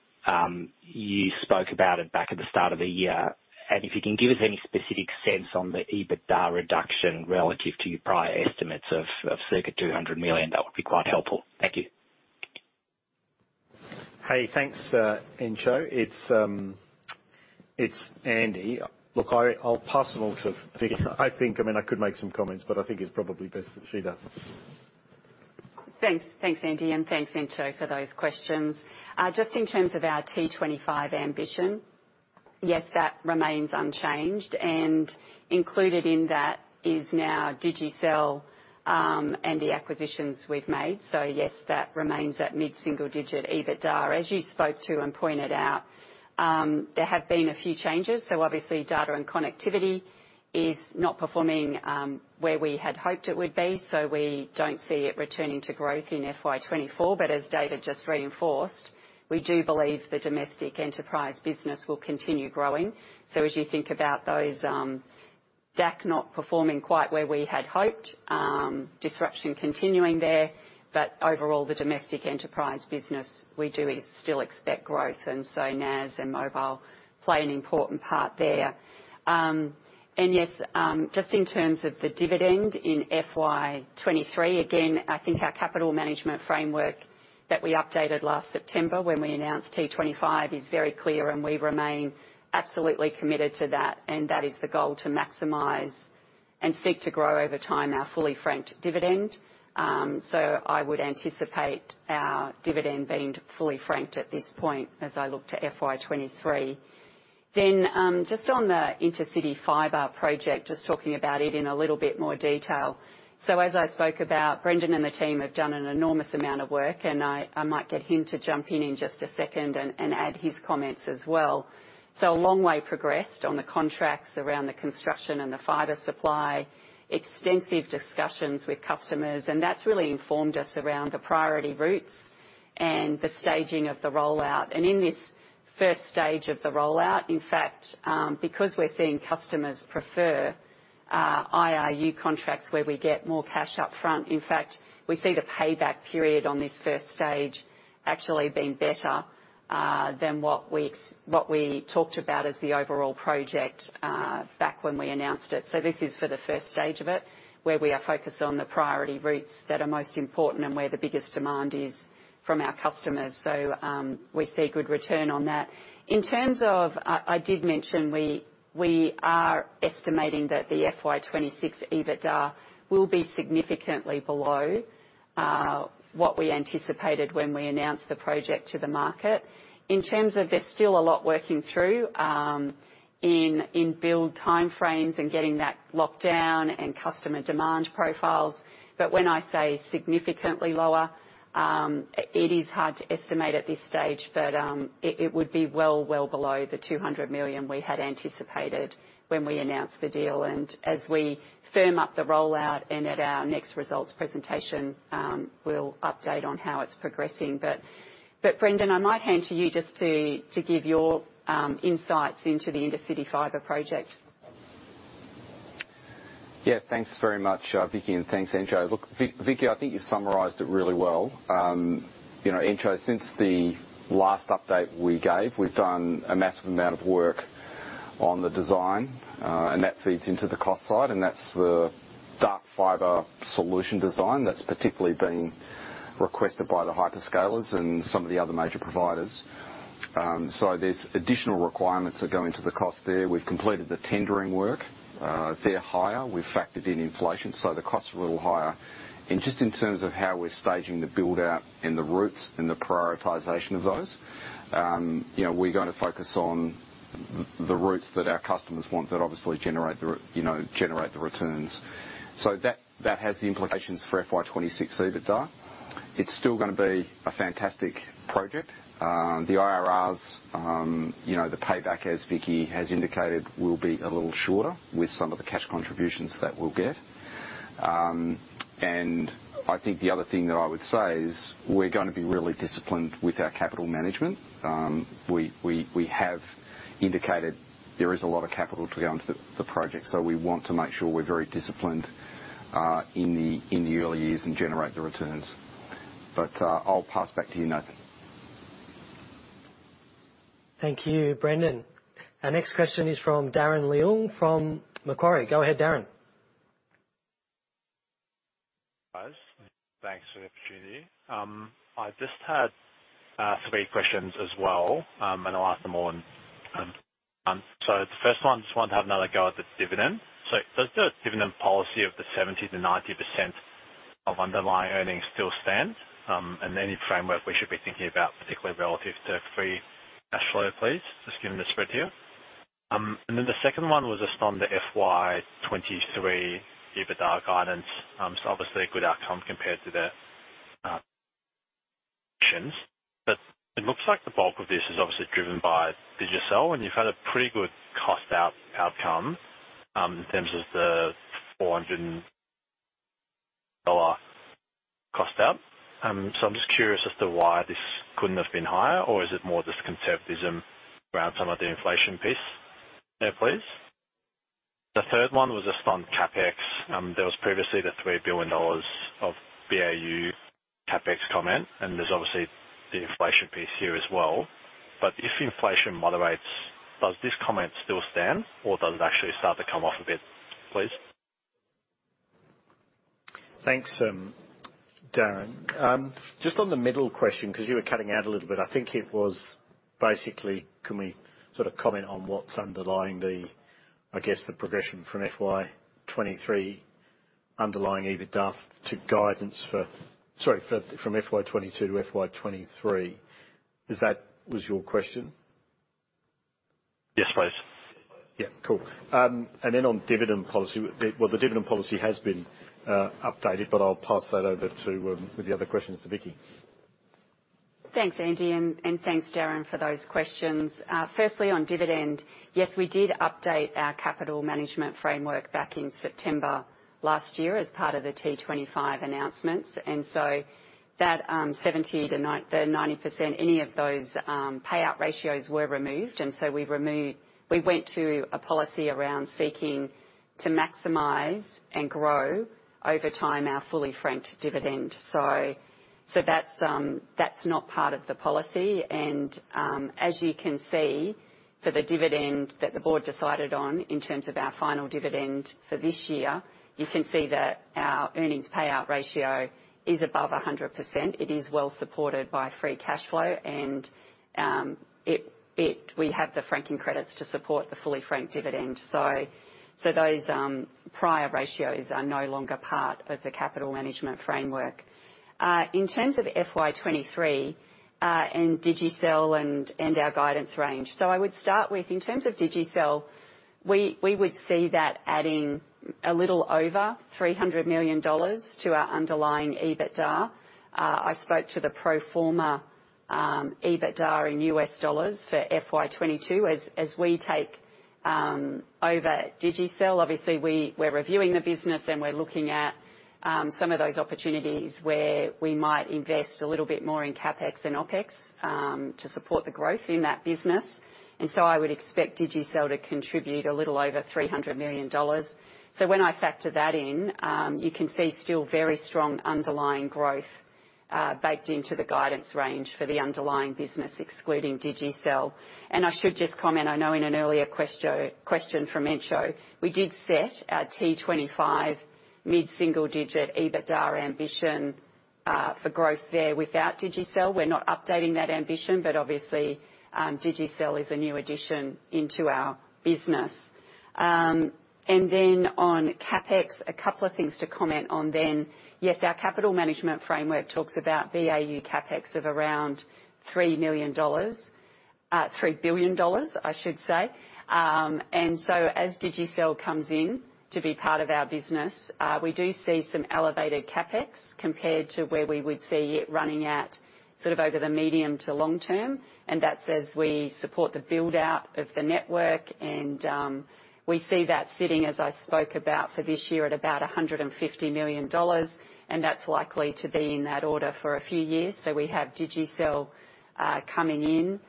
you spoke about it back at the start of the year. If you can give us any specific sense on the EBITDA reduction relative to your prior estimates of circa 200 million, that would be quite helpful. Thank you. Hey, thanks, Entcho. It's Andy. Look, I'll pass it on to Vicki. I think, I mean, I could make some comments, but I think it's probably best that she does. Thanks. Thanks, Andy. Thanks, Entcho, for those questions. Just in terms of our T25 ambition, yes, that remains unchanged. Included in that is now Digicel, and the acquisitions we've made. Yes, that remains at mid-single digit EBITDA. As you spoke to and pointed out, there have been a few changes. Obviously, data and connectivity is not performing, where we had hoped it would be, so we don't see it returning to growth in FY 2024. As David just reinforced, we do believe the domestic enterprise business will continue growing. As you think about those, DAC not performing quite where we had hoped, disruption continuing there. Overall, the domestic enterprise business, we do still expect growth, and so NAS and mobile play an important part there. Yes, just in terms of the dividend in FY 2023, again, I think our capital management framework that we updated last September when we announced T25 is very clear, and we remain absolutely committed to that. That is the goal, to maximize and seek to grow over time our fully franked dividend. I would anticipate our dividend being fully franked at this point as I look to FY 2023. Just on the Intercity Fiber project, just talking about it in a little bit more detail. As I spoke about, Brendon and the team have done an enormous amount of work, and I might get him to jump in in just a second and add his comments as well. A long way progressed on the contracts around the construction and the fiber supply. Extensive discussions with customers, and that's really informed us around the priority routes and the staging of the rollout. In this first stage of the rollout, in fact, because we're seeing customers prefer IRU contracts where we get more cash up front, in fact, we see the payback period on this first stage actually being better than what we talked about as the overall project back when we announced it. This is for the first stage of it, where we are focused on the priority routes that are most important and where the biggest demand is from our customers. We see good return on that. In terms of, I did mention we are estimating that the FY 2026 EBITDA will be significantly below what we anticipated when we announced the project to the market. In terms of there's still a lot working through in build timeframes and getting that locked down and customer demand profiles. When I say significantly lower, it is hard to estimate at this stage, but it would be well below the 200 million we had anticipated when we announced the deal. As we firm up the rollout and at our next results presentation, we'll update on how it's progressing. Brendon, I might hand to you just to give your insights into the Intercity Fiber project. Yeah, thanks very much, Vicki, and thanks, Entcho. Look, Vicki, I think you summarized it really well. You know, Entcho, since the last update we gave, we've done a massive amount of work on the design, and that feeds into the cost side, and that's the dark fiber solution design that's particularly been requested by the hyperscalers and some of the other major providers. So there's additional requirements that go into the cost there. We've completed the tendering work. They're higher. We've factored in inflation, so the costs are a little higher. Just in terms of how we're staging the build-out and the routes and the prioritization of those, you know, we're gonna focus on the routes that our customers want that obviously generate the returns. That has the implications for FY 2026 EBITDA. It's still gonna be a fantastic project. The IRRs, you know, the payback, as Vicki has indicated, will be a little shorter with some of the cash contributions that we'll get. I think the other thing that I would say is we're gonna be really disciplined with our capital management. We have indicated there is a lot of capital to go into the project, so we want to make sure we're very disciplined in the early years and generate the returns. I'll pass back to you, Nathan. Thank you, Brendon. Our next question is from Darren Leung from Macquarie. Go ahead, Darren. Guys, thanks for the opportunity. I just had three questions as well, and I'll ask them all in one. So the first one, just wanted to have another go at the dividend. Does the dividend policy of 70%-90% of underlying earnings still stand? And any framework we should be thinking about, particularly relative to free cash flow, please, just given the spread here. And then the second one was just on the FY 2023 EBITDA guidance. So obviously a good outcome compared to the analysts. It looks like the bulk of this is obviously driven by Digicel, and you've had a pretty good cost out outcome, in terms of the 400 million dollar cost out. I'm just curious as to why this couldn't have been higher, or is it more just conservatism around some of the inflation piece there, please? The third one was just on CapEx. There was previously the 3 billion dollars of BAU CapEx comment, and there's obviously the inflation piece here as well. If inflation moderates, does this comment still stand, or does it actually start to come off a bit, please? Thanks, Darren. Just on the middle question, 'cause you were cutting out a little bit. I think it was basically, can we sort of comment on what's underlying the, I guess, the progression from FY 2022 to FY 2023. Is that what was your question? Yes, please. Yeah. Cool. On dividend policy, well, the dividend policy has been updated, but I'll pass that over to Vicki with the other questions. Thanks, Andy, and thanks, Darren, for those questions. First, on dividend, yes, we did update our capital management framework back in September last year as part of the T25 announcements. Seventy to ninety percent payout ratios were removed. We went to a policy around seeking to maximize and grow over time our fully franked dividend. That's not part of the policy. As you can see for the dividend that the board decided on in terms of our final dividend for this year, you can see that our earnings payout ratio is above 100%. It is well supported by free cash flow. We have the franking credits to support the fully franked dividend. Those prior ratios are no longer part of the capital management framework. In terms of FY 2023 and Digicel and our guidance range. I would start with in terms of Digicel, we would see that adding a little over 300 million dollars to our underlying EBITDA. I spoke to the pro forma EBITDA in US dollars for FY 2022. As we take over Digicel, obviously we're reviewing the business and we're looking at some of those opportunities where we might invest a little bit more in CapEx and OpEx to support the growth in that business. I would expect Digicel to contribute a little over 300 million dollars. When I factor that in, you can see still very strong underlying growth baked into the guidance range for the underlying business, excluding Digicel. I should just comment, I know in an earlier question from Entcho, we did set our T25 mid-single digit EBITDA ambition for growth there without Digicel. We're not updating that ambition, but obviously, Digicel is a new addition into our business. On CapEx, a couple of things to comment on then. Yes, our capital management framework talks about BAU CapEx of around 3 billion dollars, I should say. As Digicel comes in to be part of our business, we do see some elevated CapEx compared to where we would see it running at sort of over the medium to long term. That's as we support the build-out of the network and we see that sitting, as I spoke about for this year, at about 150 million dollars, and that's likely to be in that order for a few years. We have Digicel coming in.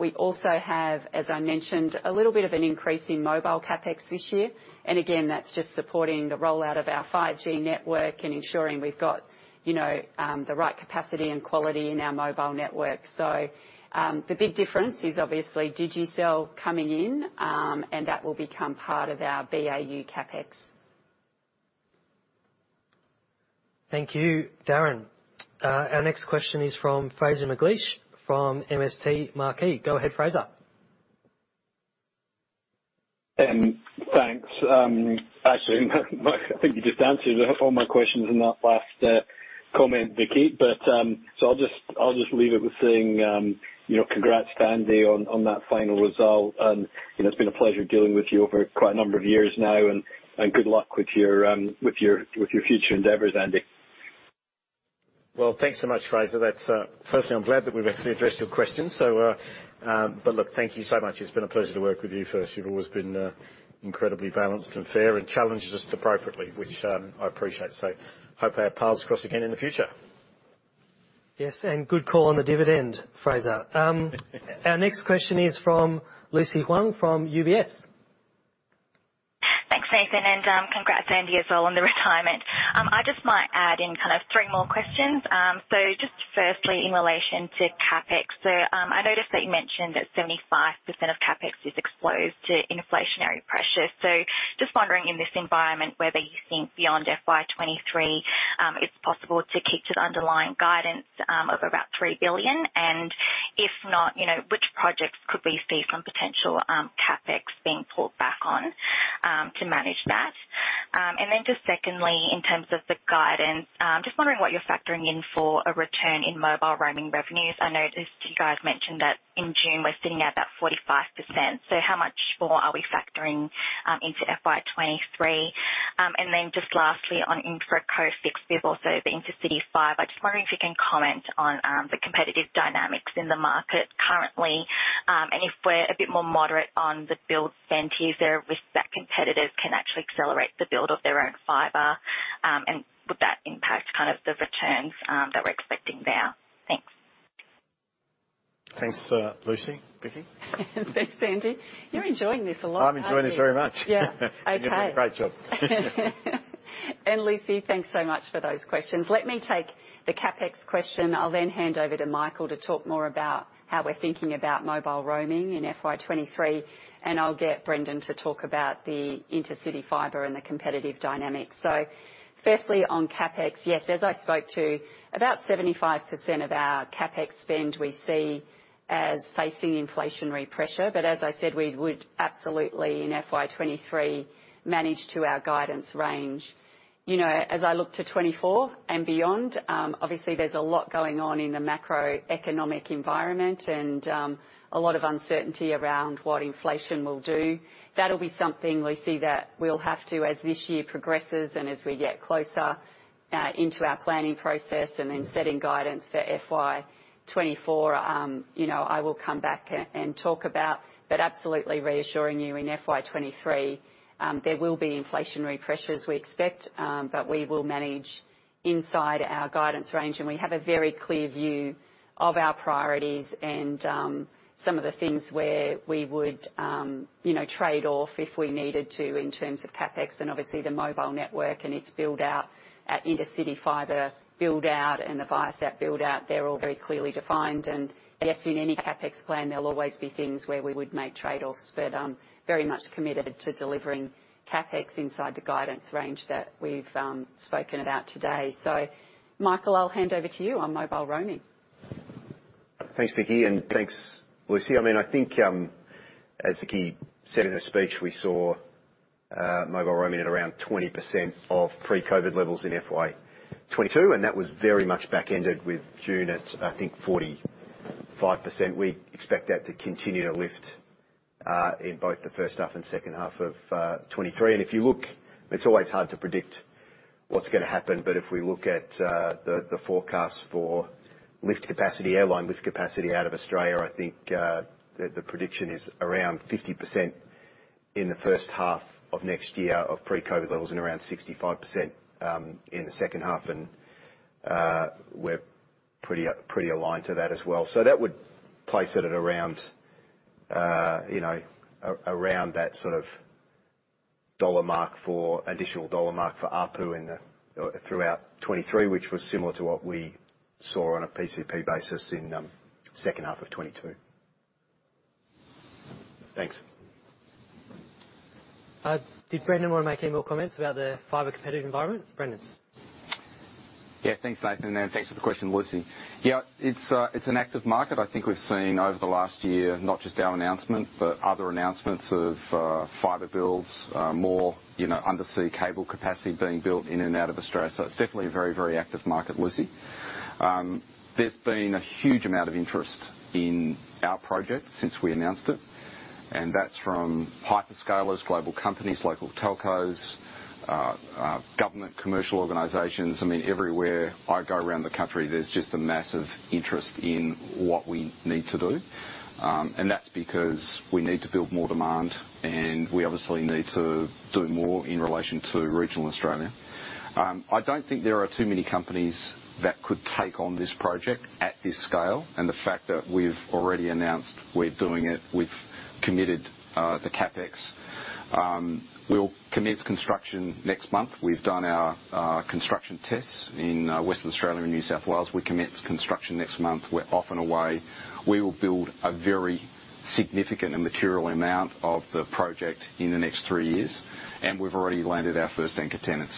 We also have, as I mentioned, a little bit of an increase in mobile CapEx this year. Again, that's just supporting the rollout of our 5G network and ensuring we've got, you know, the right capacity and quality in our mobile network. The big difference is obviously Digicel coming in, and that will become part of our BAU CapEx. Thank you, Darren. Our next question is from Fraser McLeish from MST Marquee. Go ahead, Fraser. Thanks. Actually, I think you just answered all my questions in that last comment, Vicki. I'll just leave it with saying, you know, congrats, Andy, on that final result. You know, it's been a pleasure dealing with you over quite a number of years now. Good luck with your future endeavors, Andy. Well, thanks so much, Fraser. That's, Firstly, I'm glad that we've actually addressed your question, so, but look, thank you so much. It's been a pleasure to work with you first. You've always been, incredibly balanced and fair and challenged us appropriately, which, I appreciate. Hope our paths cross again in the future. Yes, good call on the dividend, Fraser. Our next question is from Lucy Huang from UBS. Thanks, Nathan, and congrats, Andy, as well on the retirement. I just might add in kind of three more questions. Just firstly, in relation to CapEx. I noticed that you mentioned that 75% of CapEx is exposed to inflationary pressures. Just wondering in this environment whether you think beyond FY 2023, it's possible to keep to the underlying guidance of about 3 billion? If not, you know, which projects could we see some potential CapEx being pulled back on to manage that? Just secondly, in terms of the guidance, just wondering what you're factoring in for a return in mobile roaming revenues. I noticed you guys mentioned that in June we're sitting at about 45%. How much more are we factoring into FY 2023? Just lastly, on InfraCo Fixed build, also the intercity fiber, I'm just wondering if you can comment on the competitive dynamics in the market currently. If we're a bit more moderate on the build spend, is there a risk that competitors can actually accelerate the build of their own fiber? Would that impact kind of the returns that we're expecting there? Thanks. Thanks, Lucy. Vicki? Thanks, Andy. You're enjoying this a lot. I'm enjoying this very much. Yeah. Okay. You're doing a great job. Lucy, thanks so much for those questions. Let me take the CapEx question. I'll then hand over to Michael to talk more about how we're thinking about mobile roaming in FY 2023, and I'll get Brendon to talk about the Intercity fiber and the competitive dynamics. Firstly, on CapEx, yes, as I spoke to, about 75% of our CapEx spend we see as facing inflationary pressure. As I said, we would absolutely in FY 2023 manage to our guidance range. You know, as I look to 2024 and beyond, obviously there's a lot going on in the macroeconomic environment and, a lot of uncertainty around what inflation will do. That'll be something, Lucy, that we'll have to, as this year progresses and as we get closer into our planning process and in setting guidance for FY 2024, you know, I will come back and talk about. Absolutely reassuring you, in FY 2023, there will be inflationary pressures, we expect, but we will manage inside our guidance range. We have a very clear view of our priorities and, some of the things where we would, you know, trade off if we needed to in terms of CapEx and obviously the mobile network and its build-out, the enterprise fiber build-out and the Viasat build-out. They're all very clearly defined. Yes, in any CapEx plan, there'll always be things where we would make trade-offs. I'm very much committed to delivering CapEx inside the guidance range that we've spoken about today. Michael, I'll hand over to you on mobile roaming. Thanks, Vicki, and thanks, Lucy. I mean, I think, as Vicki said in her speech, we saw mobile roaming at around 20% of pre-COVID levels in FY 2022, and that was very much back-ended with June at, I think, 45%. We expect that to continue to lift in both the first half and second half of 2023. If you look, it's always hard to predict what's gonna happen, but if we look at the forecast for lift capacity, airline lift capacity out of Australia, I think the prediction is around 50% in the first half of next year of pre-COVID levels and around 65% in the second half. We're pretty aligned to that as well. That would place it at around, you know, around that sort of AUD 1 mark, additional AUD 1 mark for ARPU throughout 2023, which was similar to what we saw on a PCP basis in second half of 2022. Thanks. Did Brendon wanna make any more comments about the fiber competitive environment? Brendon? Yeah, thanks, Nathan, and thanks for the question, Lucy. Yeah, it's an active market. I think we've seen over the last year, not just our announcement, but other announcements of fiber builds, more, you know, undersea cable capacity being built in and out of Australia. It's definitely a very, very active market, Lucy. There's been a huge amount of interest in our project since we announced it, and that's from hyperscalers, global companies, local telcos, government, commercial organizations. I mean, everywhere I go around the country, there's just a massive interest in what we need to do. That's because we need to build more demand, and we obviously need to do more in relation to regional Australia. I don't think there are too many companies that could take on this project at this scale, and the fact that we've already announced we're doing it, we've committed the CapEx. We'll commence construction next month. We've done our construction tests in Western Australia and New South Wales. We commence construction next month. We're off and away. We will build a very significant and material amount of the project in the next three years, and we've already landed our first anchor tenant.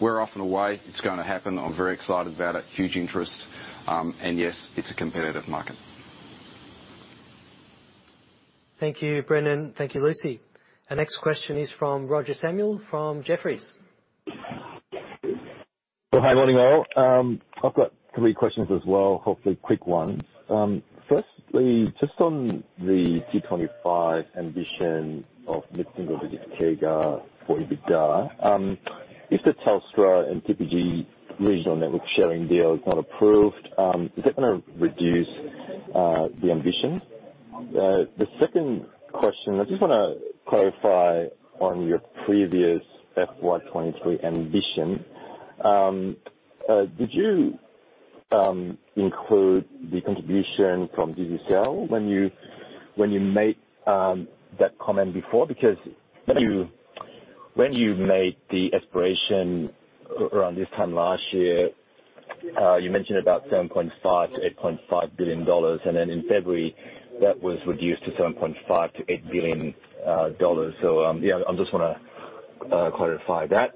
We're off and away. It's gonna happen. I'm very excited about it. Huge interest. Yes, it's a competitive market. Thank you, Brendon. Thank you, Lucy. Our next question is from Roger Samuel from Jefferies. Well, hi, good morning, all. I've got three questions as well, hopefully quick ones. Firstly, just on the T25 ambition of hitting over the CAGR for EBITDA. If the Telstra and TPG regional network sharing deal is not approved, is it gonna reduce the ambition? The second question, I just wanna clarify on your previous FY 2023 ambition. Did you include the contribution from Digicel when you made that comment before? Because when you made the aspiration around this time last year, you mentioned about 7.5 billion-8.5 billion dollars. Then in February, that was reduced to 7.5 billion-8 billion dollars. Yeah, I just wanna clarify that.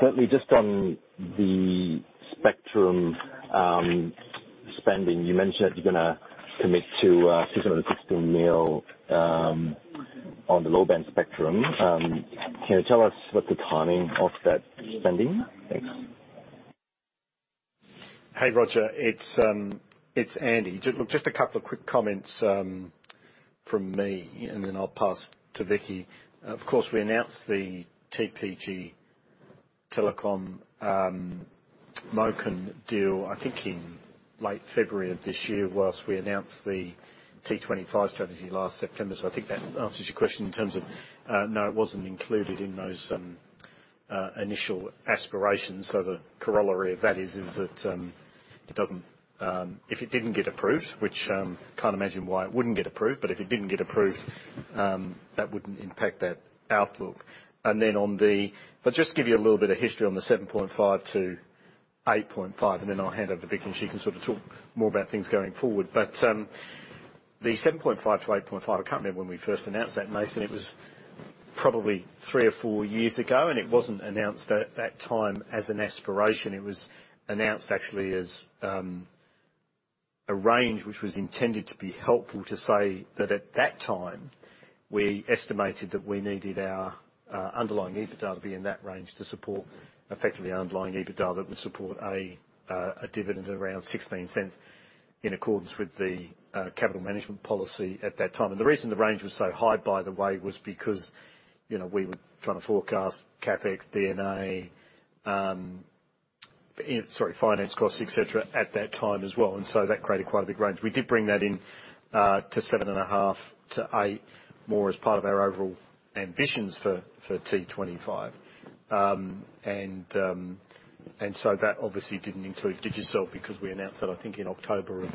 Thirdly, just on the spectrum spending. You mentioned you're gonna commit to 660 million on the low-band spectrum. Can you tell us what the timing of that spending? Thanks. Hey, Roger. It's Andy. Just a couple of quick comments from me, and then I'll pass to Vicki. Of course, we announced the TPG Telecom MOCN deal, I think in late February of this year, while we announced the T25 strategy last September. I think that answers your question in terms of, no, it wasn't included in those initial aspirations. The corollary of that is that it doesn't. If it didn't get approved, which I can't imagine why it wouldn't get approved, but if it didn't get approved, that wouldn't impact that outlook. I'll just give you a little bit of history on the 7.5 billion-8.5 billion, and then I'll hand over to Vicki, and she can sort of talk more about things going forward. The 7.5 billion-8.5 billion, I can't remember when we first announced that, Nathan. It was probably three or four years ago, and it wasn't announced at that time as an aspiration. It was announced actually as a range which was intended to be helpful to say that at that time, we estimated that we needed our underlying EBITDA to be in that range to support effectively underlying EBITDA that would support a dividend around 0.16 in accordance with the capital management policy at that time. The reason the range was so high, by the way, was because, you know, we were trying to forecast CapEx, D&A. Sorry, finance costs, etc., at that time as well. So that created quite a big range. We did bring that in to 7.5 billion-8 billion more as part of our overall ambitions for T25. That obviously didn't include Digicel because we announced that, I think, in October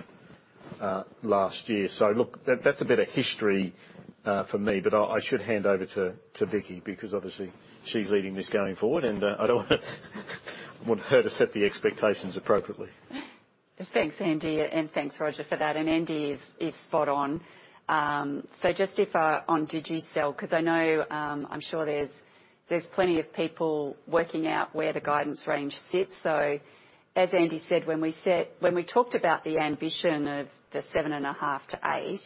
of last year. Look, that's a bit of history for me, but I should hand over to Vicki because obviously she's leading this going forward, and I don't want her to set the expectations appropriately. Thanks, Andy, and thanks Roger, for that. Andy is spot on. Just on Digicel, 'cause I know I'm sure there's plenty of people working out where the guidance range sits. As Andy said, when we talked about the ambition of 7.5 billion-8 billion,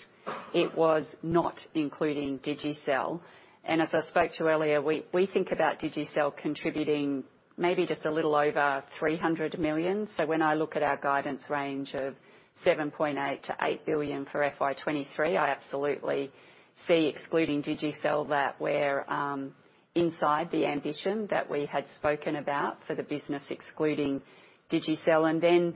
it was not including Digicel. As I spoke to earlier, we think about Digicel contributing maybe just a little over 300 million. When I look at our guidance range of 7.8 billion-8 billion for FY 2023, I absolutely see excluding Digicel that we're inside the ambition that we had spoken about for the business excluding Digicel. Then,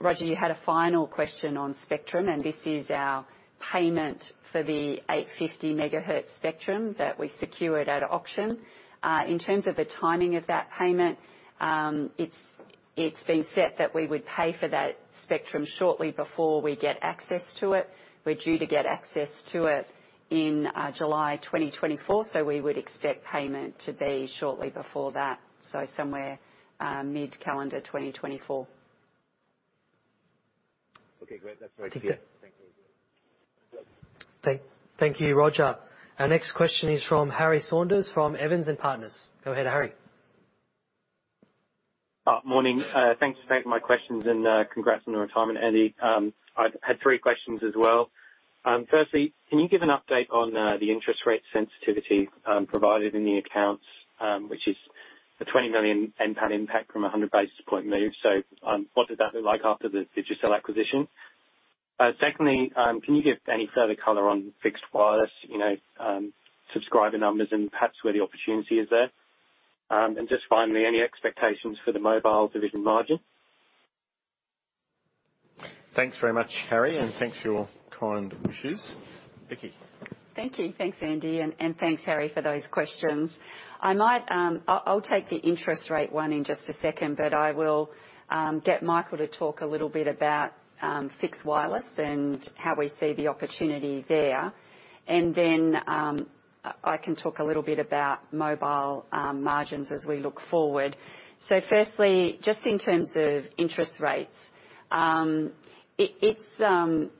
Roger, you had a final question on spectrum, and this is our payment for the 850 MHz spectrum that we secured at auction. In terms of the timing of that payment, it's been set that we would pay for that spectrum shortly before we get access to it. We're due to get access to it in July 2024, so we would expect payment to be shortly before that, so somewhere mid-calendar 2024. Okay, great. That's very clearThank you. Thank you, Roger. Our next question is from Harry Saunders, from Evans and Partners. Go ahead, Harry. Morning. Thanks for taking my questions, and congrats on the retirement, Andy. I had three questions as well. Firstly, can you give an update on the interest rate sensitivity provided in the accounts, which is a 20 million NPAT impact from a 100 basis point move? What does that look like after the Digicel acquisition? Secondly, can you give any further color on fixed wireless, you know, subscriber numbers and perhaps where the opportunity is there? And just finally, any expectations for the mobile division margin? Thanks very much, Harry, and thanks for your kind wishes. Vicki. Thank you. Thanks, Andy, and thanks Harry for those questions. I might, I'll take the interest rate one in just a second, but I will get Michael to talk a little bit about fixed wireless and how we see the opportunity there. Then I can talk a little bit about mobile margins as we look forward. Firstly, just in terms of interest rates, it's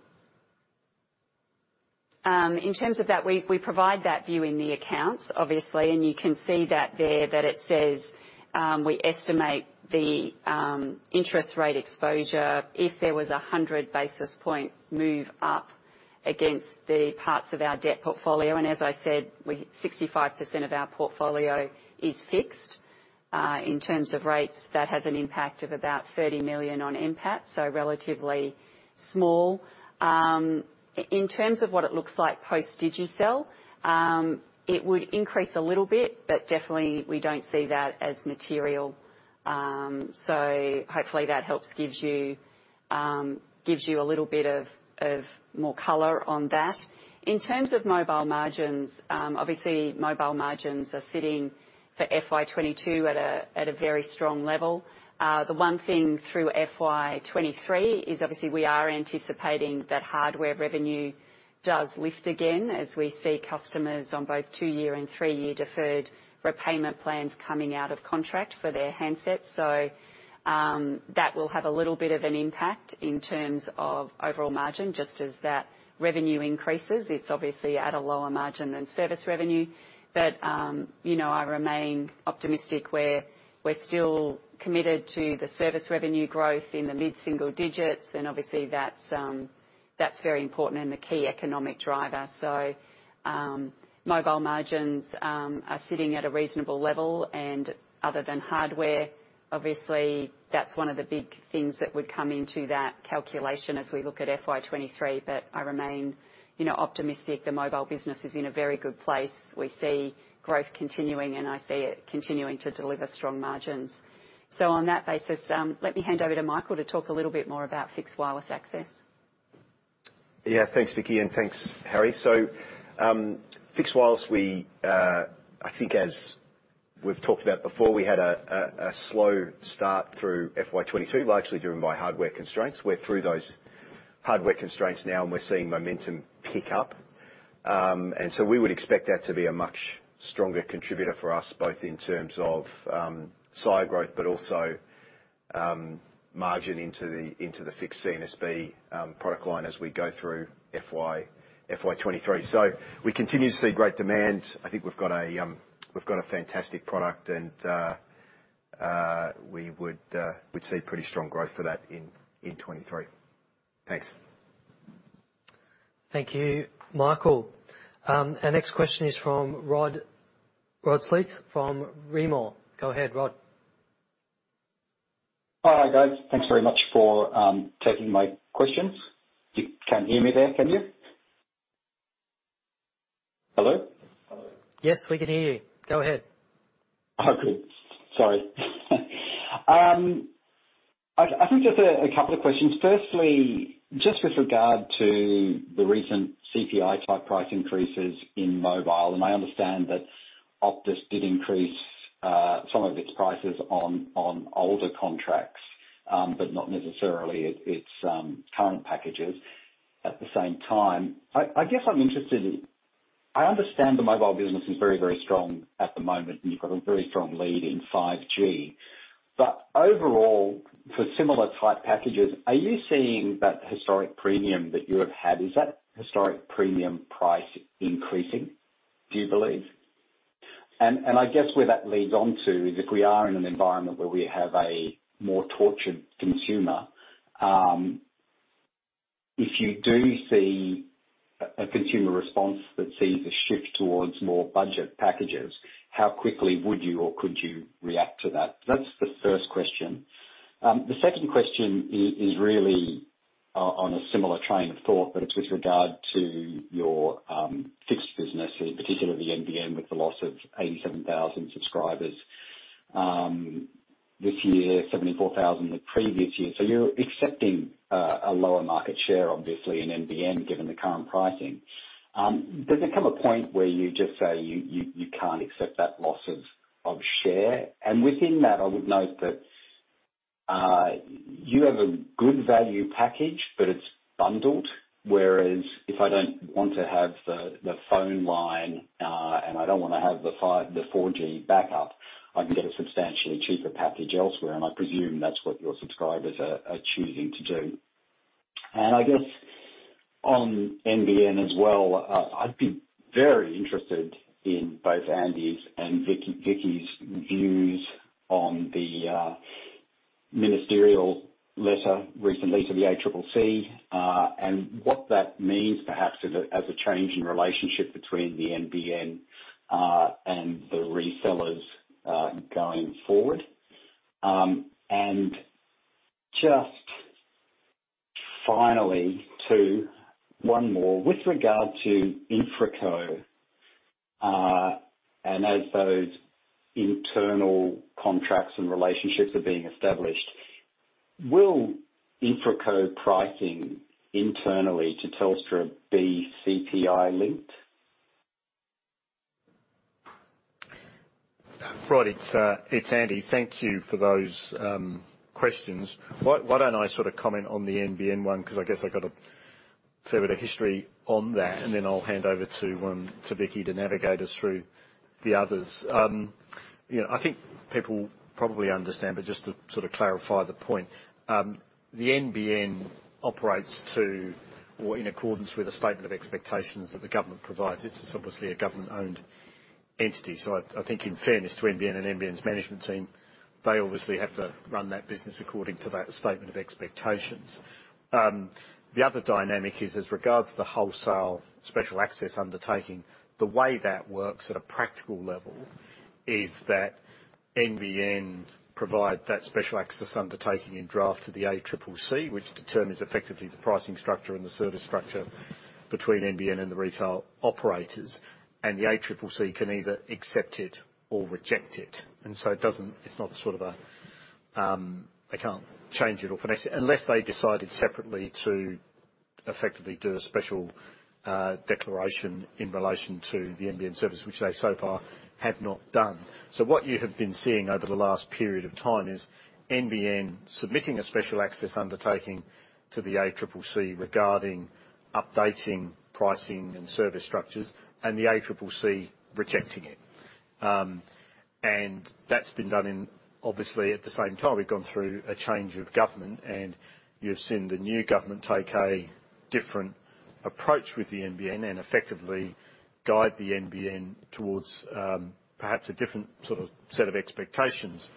in terms of that, we provide that view in the accounts, obviously, and you can see that there, that it says, we estimate the interest rate exposure if there was a 100 basis point move up against the parts of our debt portfolio. As I said, 65% of our portfolio is fixed. In terms of rates, that has an impact of about 30 million on NPAT, so relatively small. In terms of what it looks like post-Digicel, it would increase a little bit, but definitely we don't see that as material. Hopefully that helps give you a little bit of more color on that. In terms of mobile margins, obviously, mobile margins are sitting for FY 2022 at a very strong level. The one thing through FY 2023 is obviously we are anticipating that hardware revenue does lift again as we see customers on both two-year and three-year deferred repayment plans coming out of contract for their handsets. That will have a little bit of an impact in terms of overall margin. Just as that revenue increases, it's obviously at a lower margin than service revenue. I remain optimistic where we're still committed to the service revenue growth in the mid-single digits%, and obviously, that's very important and a key economic driver. Mobile margins are sitting at a reasonable level, and other than hardware, obviously, that's one of the big things that would come into that calculation as we look at FY 2023. I remain, you know, optimistic. The mobile business is in a very good place. We see growth continuing, and I see it continuing to deliver strong margins. On that basis, let me hand over to Michael to talk a little bit more about fixed wireless access. Thanks, Vicki, and thanks, Harry. Fixed wireless. I think as we've talked about before, we had a slow start through FY 2022, largely driven by hardware constraints. We're through those hardware constraints now, and we're seeing momentum pick up. We would expect that to be a much stronger contributor for us, both in terms of subscriber growth, but also margins in the fixed C&SB product line as we go through FY 2023. We continue to see great demand. I think we've got a fantastic product and we'd see pretty strong growth for that in 2023. Thanks. Thank you, Michael. Our next question is from Rod Sleath from Rimor. Go ahead, Rod. All right, guys. Thanks very much for taking my questions. You can hear me there, can you? Hello? Yes, we can hear you. Go ahead. Oh, good. Sorry. I think just a couple of questions. Firstly, just with regard to the recent CPI type price increases in mobile, and I understand that Optus did increase some of its prices on older contracts, but not necessarily its current packages. At the same time, I guess I'm interested. I understand the mobile business is very, very strong at the moment, and you've got a very strong lead in 5G. Overall, for similar type packages, are you seeing that historic premium that you have had, is that historic premium price increasing, do you believe? I guess where that leads on to is if we are in an environment where we have a more tortured consumer, if you do see a consumer response that sees a shift towards more budget packages, how quickly would you or could you react to that? That's the first question. The second question is really on a similar train of thought, but it's with regard to your fixed business, particularly the NBN, with the loss of 87,000 subscribers this year, 74,000 the previous year. You're accepting a lower market share, obviously, in NBN, given the current pricing. Does there come a point where you just say you can't accept that loss of share? Within that, I would note that you have a good value package, but it's bundled. Whereas if I don't want to have the phone line and I don't wanna have the 4G backup, I can get a substantially cheaper package elsewhere, and I presume that's what your subscribers are choosing to do. I guess on NBN as well, I'd be very interested in both Andy's and Vicki's views on the ministerial letter recently to the ACCC and what that means, perhaps as a change in relationship between the NBN and the resellers going forward. Just finally, too, one more. With regard to InfraCo and as those internal contracts and relationships are being established, will InfraCo pricing internally to Telstra be CPI linked? Right. It's Andy. Thank you for those questions. Why don't I sort of comment on the NBN one 'cause I guess I got a fair bit of history on that, and then I'll hand over to Vicki to navigate us through the others. You know, I think people probably understand, but just to sort of clarify the point, the NBN operates to or in accordance with a Statement of Expectations that the government provides. It's obviously a government-owned entity, so I think in fairness to NBN and NBN's management team, they obviously have to run that business according to that Statement of Expectations. The other dynamic is, as regards to the wholesale Special Access Undertaking, the way that works at a practical level is that NBN provide that Special Access Undertaking in draft to the ACCC, which determines effectively the pricing structure and the service structure between NBN and the retail operators. The ACCC can either accept it or reject it. They can't change it or finesse it unless they decided separately to effectively do a special declaration in relation to the NBN service, which they so far have not done. What you have been seeing over the last period of time is NBN submitting a Special Access Undertaking to the ACCC regarding updating pricing and service structures and the ACCC rejecting it. That's been done in. Obviously, at the same time, we've gone through a change of government, and you've seen the new government take a different approach with the NBN and effectively guide the NBN towards perhaps a different sort of set of expectations.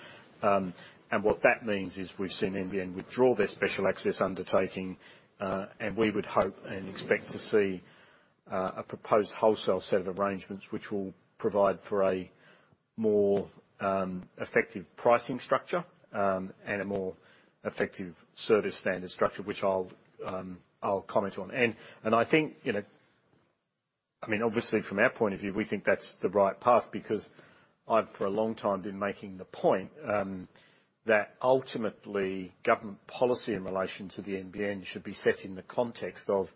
What that means is we've seen NBN withdraw their Special Access Undertaking, and we would hope and expect to see a proposed wholesale set of arrangements which will provide for a more effective pricing structure, and a more effective service standard structure, which I'll comment on. I think, you know. I mean, obviously from our point of view, we think that's the right path because I've, for a long time, been making the point, that ultimately government policy in relation to the NBN should be set in the context of,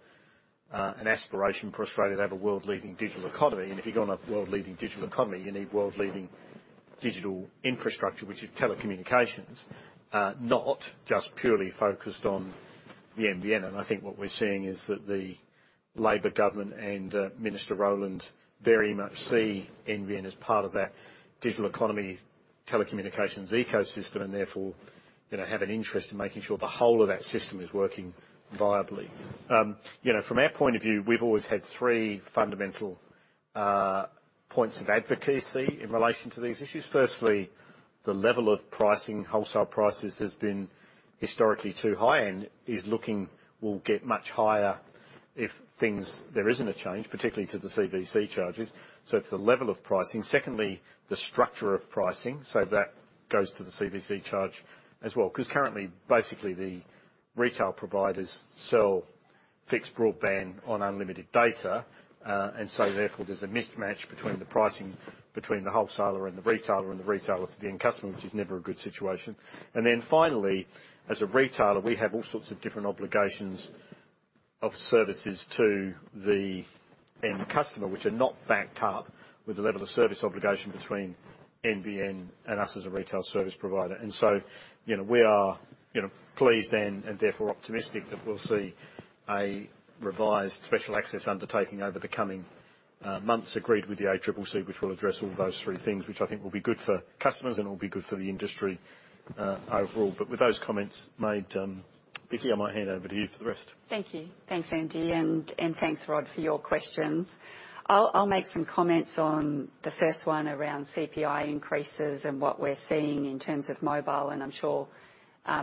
an aspiration for Australia to have a world-leading digital economy. If you're gonna have world-leading digital economy, you need world-leading digital infrastructure, which is telecommunications, not just purely focused on the NBN. I think what we're seeing is that the Labor Government and, Michelle Rowland very much see NBN as part of that digital economy, telecommunications ecosystem and therefore, you know, have an interest in making sure the whole of that system is working viably. You know, from our point of view, we've always had three fundamental, points of advocacy in relation to these issues. Firstly, the level of pricing, wholesale prices, has been historically too high and will get much higher if there isn't a change, particularly to the CVC charges. It's the level of pricing. Secondly, the structure of pricing, so that goes to the CVC charge as well. 'Cause currently, basically, the retail providers sell fixed broadband on unlimited data, and so therefore, there's a mismatch between the pricing between the wholesaler and the retailer, and the retailer to the end customer, which is never a good situation. Finally, as a retailer, we have all sorts of different obligations of services to the end customer, which are not backed up with the level of service obligation between NBN and us as a retail service provider. You know, we are, you know, pleased and therefore optimistic that we'll see a revised Special Access Undertaking over the coming months, agreed with the ACCC, which will address all those three things, which I think will be good for customers and will be good for the industry overall. With those comments made, Vicki, I might hand over to you for the rest. Thank you. Thanks, Andy, and thanks, Rod, for your questions. I'll make some comments on the first one around CPI increases and what we're seeing in terms of mobile, and I'm sure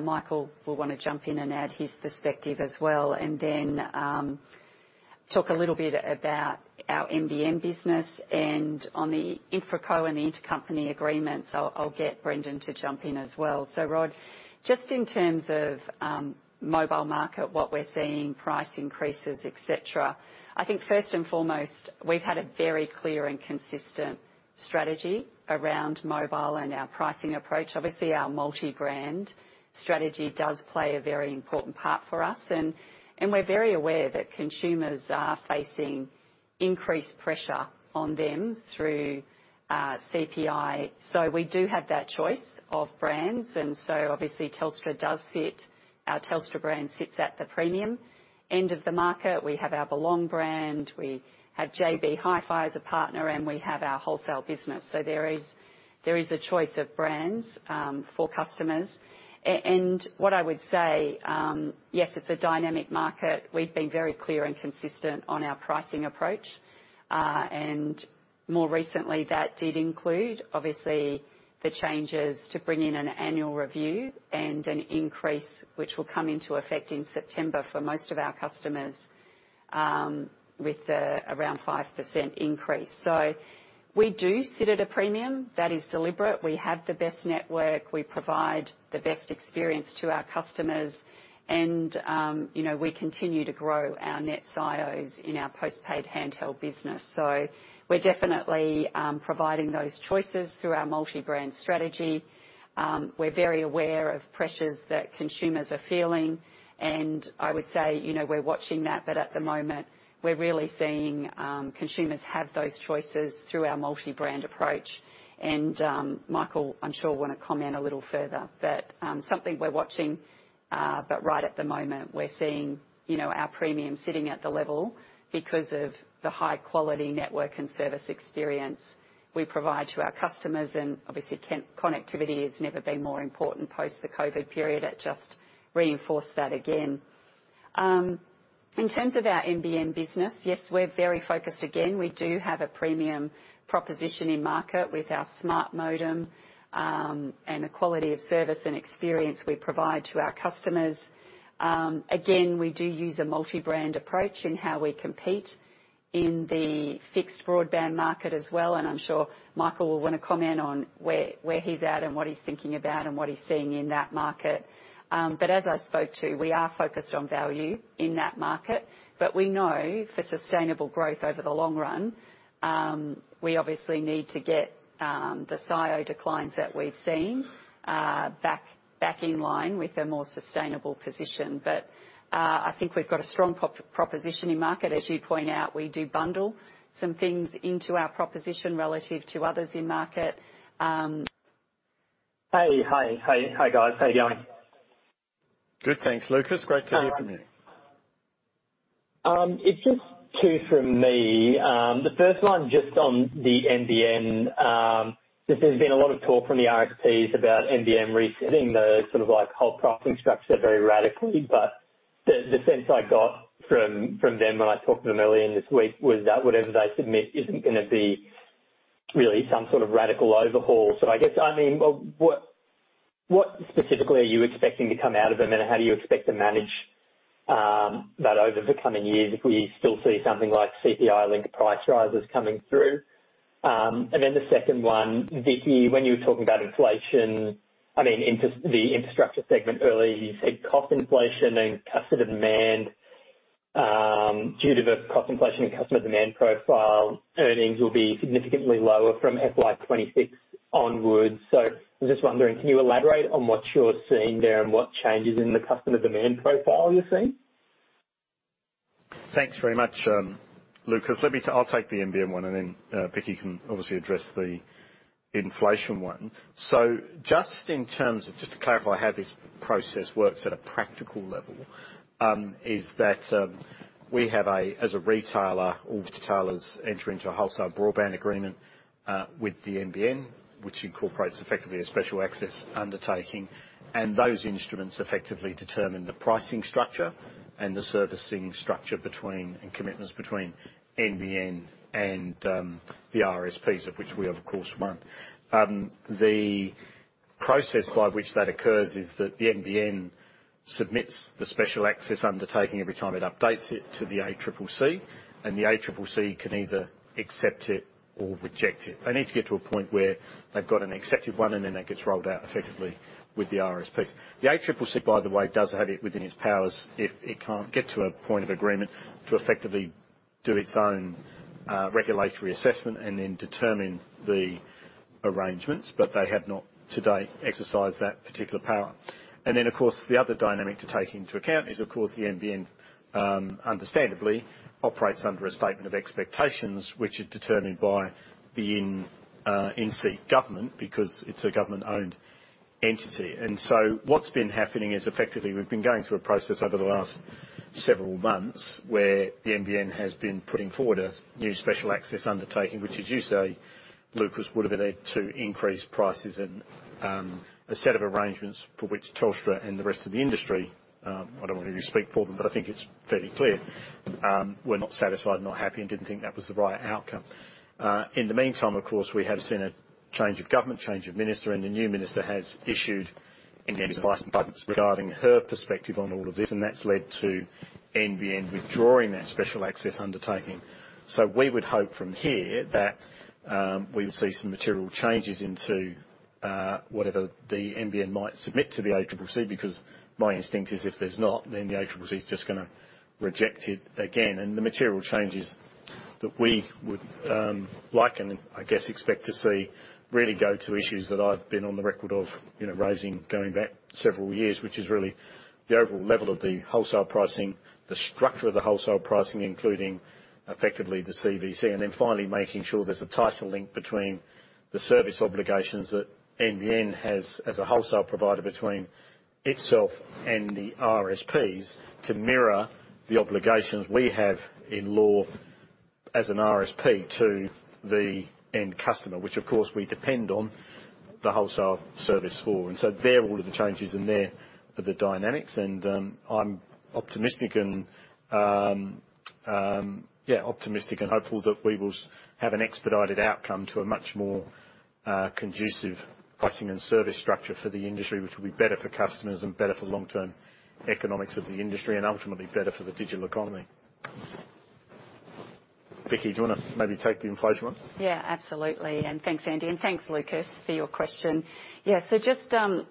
Michael will wanna jump in and add his perspective as well. Talk a little bit about our NBN business and on the InfraCo and intercompany agreements, I'll get Brendon to jump in as well. Rod, just in terms of mobile market, what we're seeing, price increases, et cetera. I think first and foremost, we've had a very clear and consistent strategy around mobile and our pricing approach. Obviously, our multi-brand strategy does play a very important part for us and we're very aware that consumers are facing increased pressure on them through CPI. We do have that choice of brands, and so obviously Telstra does sit. Our Telstra brand sits at the premium end of the market. We have our Belong brand, we have JB Hi-Fi as a partner, and we have our wholesale business. There is a choice of brands for customers. What I would say, yes, it's a dynamic market. We've been very clear and consistent on our pricing approach. More recently, that did include, obviously, the changes to bring in an annual review and an increase, which will come into effect in September for most of our customers, with around 5% increase. We do sit at a premium. That is deliberate. We have the best network, we provide the best experience to our customers, and, you know, we continue to grow our net SIOs in our post-paid handheld business. We're definitely providing those choices through our multi-brand strategy. We're very aware of pressures that consumers are feeling, and I would say, you know, we're watching that, but at the moment we're really seeing consumers have those choices through our multi-brand approach. Michael, I'm sure, will wanna comment a little further. Something we're watching, but right at the moment, we're seeing, you know, our premium sitting at the level because of the high quality network and service experience we provide to our customers, and obviously connectivity has never been more important post the COVID period. It just reinforced that again. In terms of our NBN business, yes, we're very focused. Again, we do have a premium proposition in market with our smart modem, and the quality of service and experience we provide to our customers. Again, we do use a multi-brand approach in how we compete in the fixed broadband market as well, and I'm sure Michael will wanna comment on where he's at and what he's thinking about and what he's seeing in that market. As I spoke to, we are focused on value in that market, but we know for sustainable growth over the long run, we obviously need to get the SIO declines that we've seen back in line with a more sustainable position. I think we've got a strong proposition in market. As you point out, we do bundle some things into our proposition relative to others in market. Hey, hi. Hi. Hi, guys. How you going? Good, thanks, Lucas. Great to hear from you. It's just two from me. The first one just on the NBN, because there's been a lot of talk from the RSPs about NBN resetting the, sort of like, whole pricing structure very radically, but the sense I got from them when I talked to them earlier in this week was that whatever they submit isn't gonna be really some sort of radical overhaul. I guess, I mean, well, what specifically are you expecting to come out of them, and how do you expect to manage that over the coming years if we still see something like CPI-linked price rises coming through? The second one, Vicki, when you were talking about inflation, I mean in the infrastructure segment earlier, you said cost inflation and customer demand, due to the cost inflation and customer demand profile, earnings will be significantly lower from FY 2026 onwards. I'm just wondering, can you elaborate on what you're seeing there and what changes in the customer demand profile you're seeing? Thanks very much, Lucas. I'll take the NBN one, and then Vicki can obviously address the inflation one. Just in terms of to clarify how this process works at a practical level, we have, as a retailer, all retailers enter into a Wholesale Broadband Agreement with the NBN, which incorporates effectively a Special Access Undertaking. Those instruments effectively determine the pricing structure and the servicing structure between and commitments between NBN and the RSPs, of which we are of course one. The process by which that occurs is that the NBN submits the Special Access Undertaking every time it updates it to the ACCC, and the ACCC can either accept it or reject it. They need to get to a point where they've got an accepted one, and then that gets rolled out effectively with the RSPs. The ACCC, by the way, does have it within its powers if it can't get to a point of agreement to effectively do its own regulatory assessment and then determine the arrangements, but they have not to date exercised that particular power. Of course, the other dynamic to take into account is, of course, the NBN understandably operates under a Statement of Expectations, which is determined by the incumbent government because it's a government-owned entity. What's been happening is effectively, we've been going through a process over the last several months where the NBN has been putting forward a new special access undertaking, which as you say, Lucas, would have been there to increase prices and a set of arrangements for which Telstra and the rest of the industry, I don't want to speak for them, but I think it's fairly clear, we're not satisfied, not happy, and didn't think that was the right outcome. In the meantime, of course, we have seen a change of government, change of minister, and the new minister has issued engagement regarding her perspective on all of this, and that's led to NBN withdrawing that special access undertaking. We would hope from here that, we would see some material changes into, whatever the NBN might submit to the ACCC, because my instinct is if there's not, then the ACCC is just gonna reject it again. The material changes that we would, like and I guess expect to see really go to issues that I've been on the record of, you know, raising going back several years, which is really the overall level of the wholesale pricing, the structure of the wholesale pricing, including effectively the CVC, and then finally making sure there's a tighter link between the service obligations that NBN has as a wholesale provider between itself and the RSPs to mirror the obligations we have in law as an RSP to the end customer, which of course, we depend on the wholesale service for. They're all of the changes and they're the dynamics. I'm optimistic and hopeful that we will have an expedited outcome to a much more conducive pricing and service structure for the industry, which will be better for customers and better for long-term economics of the industry and ultimately better for the digital economy. Vicki, do you wanna maybe take the inflation one? Yeah, absolutely. Thanks, Andy, and thanks Lucas for your question. Yeah, just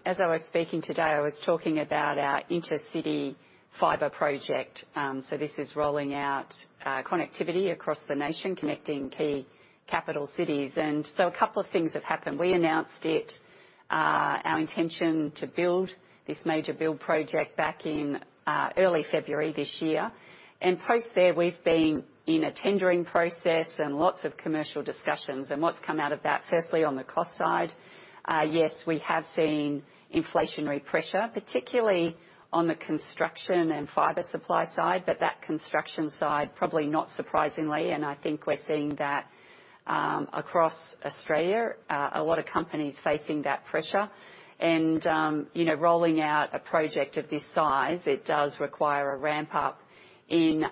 as I was speaking today, I was talking about our intercity fiber project. This is rolling out connectivity across the nation, connecting key capital cities. A couple of things have happened. We announced it, our intention to build this major build project back in early February this year. Post there, we've been in a tendering process and lots of commercial discussions and what's come out of that. Firstly, on the cost side, yes, we have seen inflationary pressure, particularly on the construction and fiber supply side, but that construction side probably not surprisingly, and I think we're seeing that across Australia. A lot of companies facing that pressure. You know, rolling out a project of this size, it does require a ramp up in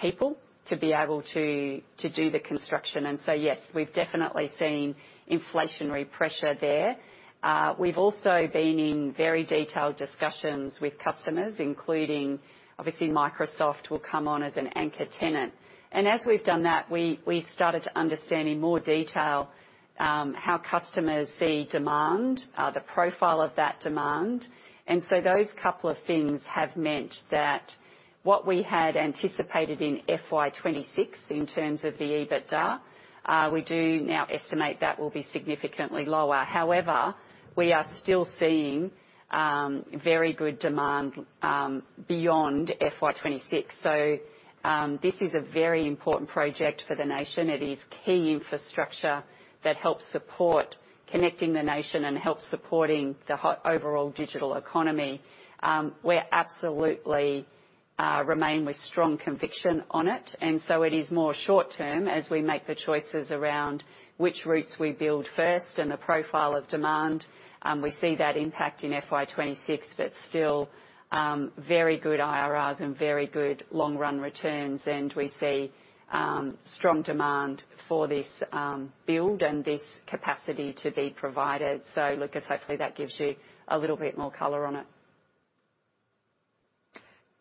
people to be able to do the construction. Yes, we've definitely seen inflationary pressure there. We've also been in very detailed discussions with customers, including obviously Microsoft will come on as an anchor tenant. As we've done that, we started to understand in more detail how customers see demand, the profile of that demand. Those couple of things have meant that what we had anticipated in FY 2026 in terms of the EBITDA, we do now estimate that will be significantly lower. However, we are still seeing very good demand beyond FY 2026. This is a very important project for the nation. It is key infrastructure that helps support connecting the nation and supporting the overall digital economy. We're absolutely remain with strong conviction on it. It is more short term as we make the choices around which routes we build first and the profile of demand. We see that impact in FY 2026, but still, very good IRRs and very good long-run returns. We see strong demand for this build and this capacity to be provided. Lucas, hopefully, that gives you a little bit more color on it.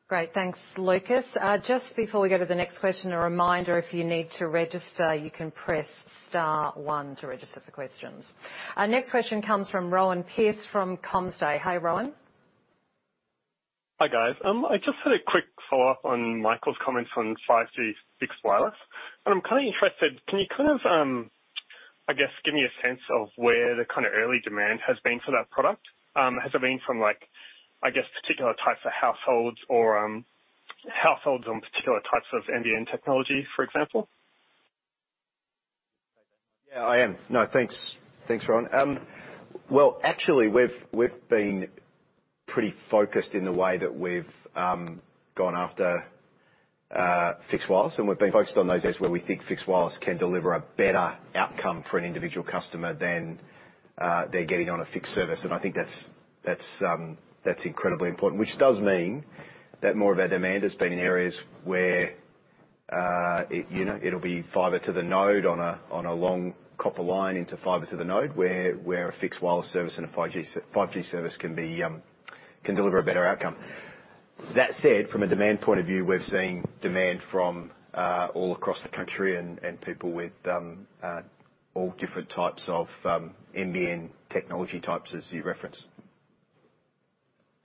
Great. Thanks, Lucas. Just before we go to the next question, a reminder if you need to register, you can press star one to register for questions. Our next question comes from Rohan Pearce from CommsDay. Hi, Rohan. Hi, guys. I just had a quick follow-up on Michael's comments on 5G fixed wireless. I'm kind of interested. Can you kind of, I guess give me a sense of where the kind of early demand has been for that product? Has it been from like, I guess, particular types of households or, households on particular types of NBN technology, for example? Yeah, I am. No. Thanks. Thanks, Rohan. Well, actually, we've been pretty focused in the way that we've gone after fixed wireless, and we've been focused on those areas where we think fixed wireless can deliver a better outcome for an individual customer than they're getting on a fixed service. I think that's incredibly important, which does mean that more of our demand has been in areas where you know it'll be Fibre to the Node on a long copper line into Fibre to the Node, where a fixed wireless service and a 5G service can deliver a better outcome. That said, from a demand point of view, we've seen demand from all across the country and people with all different types of NBN technology types, as you referenced.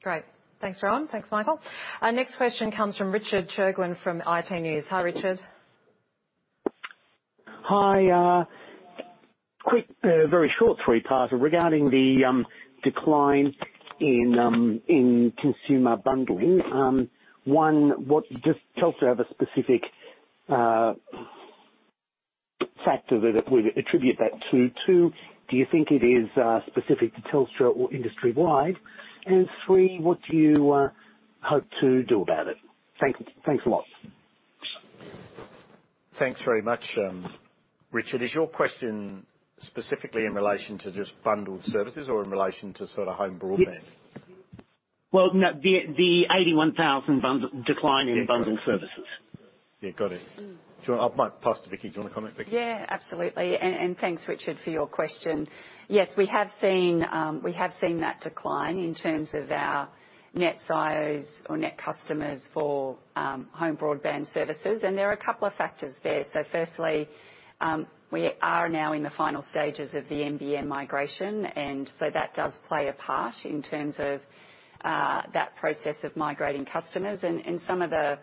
Great. Thanks, Rohan. Thanks, Michael. Our next question comes from Richard Chirgwin from iTnews. Hi, Richard. Hi, quick, very short three-parter regarding the decline in consumer bundling. One, what does Telstra have a specific factor that it would attribute that to? Two, do you think it is specific to Telstra or industry-wide? And three, what do you hope to do about it? Thanks a lot. Thanks very much, Richard. Is your question specifically in relation to just bundled services or in relation to sort of home broadband? Yes. Well, no, the 81,000 bundle decline in bundled services. Yeah, got it. I might pass to Vicki. Do you want to comment, Vicki? Yeah, absolutely. Thanks, Richard, for your question. Yes, we have seen that decline in terms of our net adds or net customers for home broadband services, and there are a couple of factors there. Firstly, we are now in the final stages of the NBN migration, and that does play a part in terms of that process of migrating customers. Some of the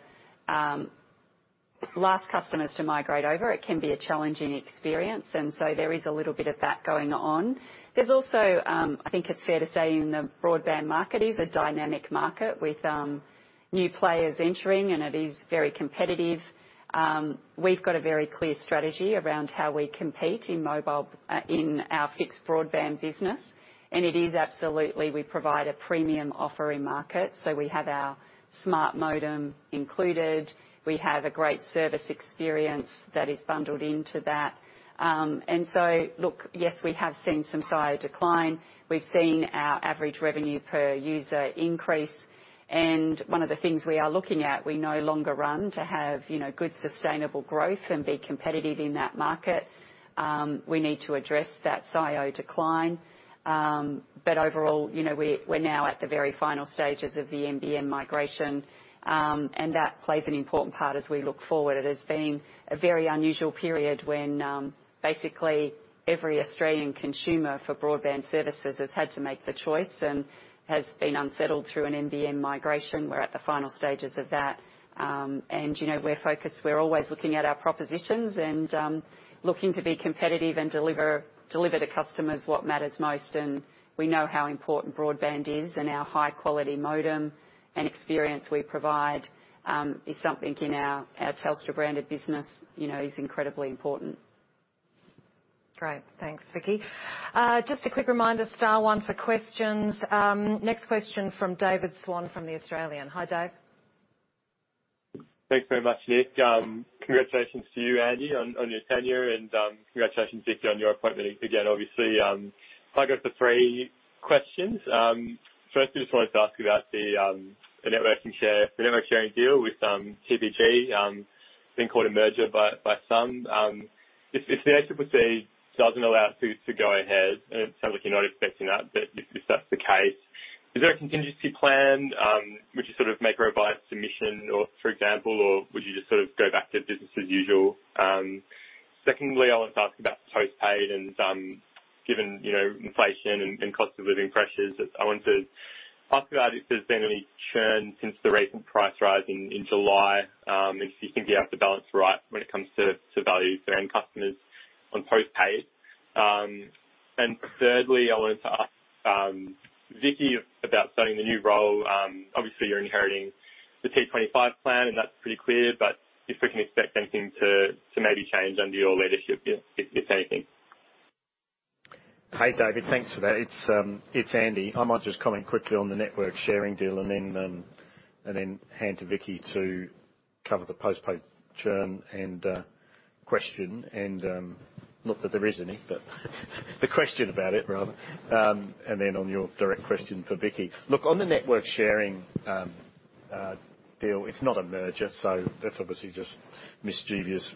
last customers to migrate over, it can be a challenging experience. There is a little bit of that going on. There's also, I think it's fair to say in the broadband market, is a dynamic market with new players entering, and it is very competitive. We've got a very clear strategy around how we compete in our fixed broadband business. It is absolutely, we provide a premium offer in market, so we have our smart modem included. We have a great service experience that is bundled into that. Look, yes, we have seen some SIO decline. We've seen our average revenue per user increase. One of the things we are looking at, we no longer want to have, you know, good sustainable growth and be competitive in that market. We need to address that SIO decline. Overall, you know, we're now at the very final stages of the NBN migration, and that plays an important part as we look forward. It has been a very unusual period when, basically every Australian consumer for broadband services has had to make the choice and has been unsettled through an NBN migration. We're at the final stages of that. You know, we're focused. We're always looking at our propositions and looking to be competitive and deliver to customers what matters most. We know how important broadband is and our high-quality modem and experience we provide is something in our Telstra branded business, you know, is incredibly important. Great. Thanks, Vicki. Just a quick reminder, star one for questions. Next question from David Swan from The Australian. Hi, Dave. Thanks very much, Nic. Congratulations to you, Andy, on your tenure and, congratulations, Vicki, on your appointment again, obviously. If I could ask for three questions. Firstly, I just wanted to ask about the network sharing deal with TPG, been called a merger by some. If the ACCC doesn't allow this to go ahead, and it sounds like you're not expecting that, but if that's the case, is there a contingency plan? Would you sort of make revised submission or, for example, or would you just sort of go back to business as usual? Secondly, I wanted to ask about postpaid and, given, you know, inflation and cost of living pressures, I wanted to ask about if there's been any churn since the recent price rise in July, and if you think you have the balance right when it comes to value for end customers on postpaid. Thirdly, I wanted to ask, Vicki, about starting the new role. Obviously you're inheriting the T25 plan, and that's pretty clear, but if we can expect anything to maybe change under your leadership, if anything. Hi, David. Thanks for that. It's Andy. I might just comment quickly on the network sharing deal and then hand to Vicki to cover the postpaid churn and question and not that there is any, but the question about it rather. On your direct question for Vicki. Look, on the network sharing deal, it's not a merger, so that's obviously just mischievous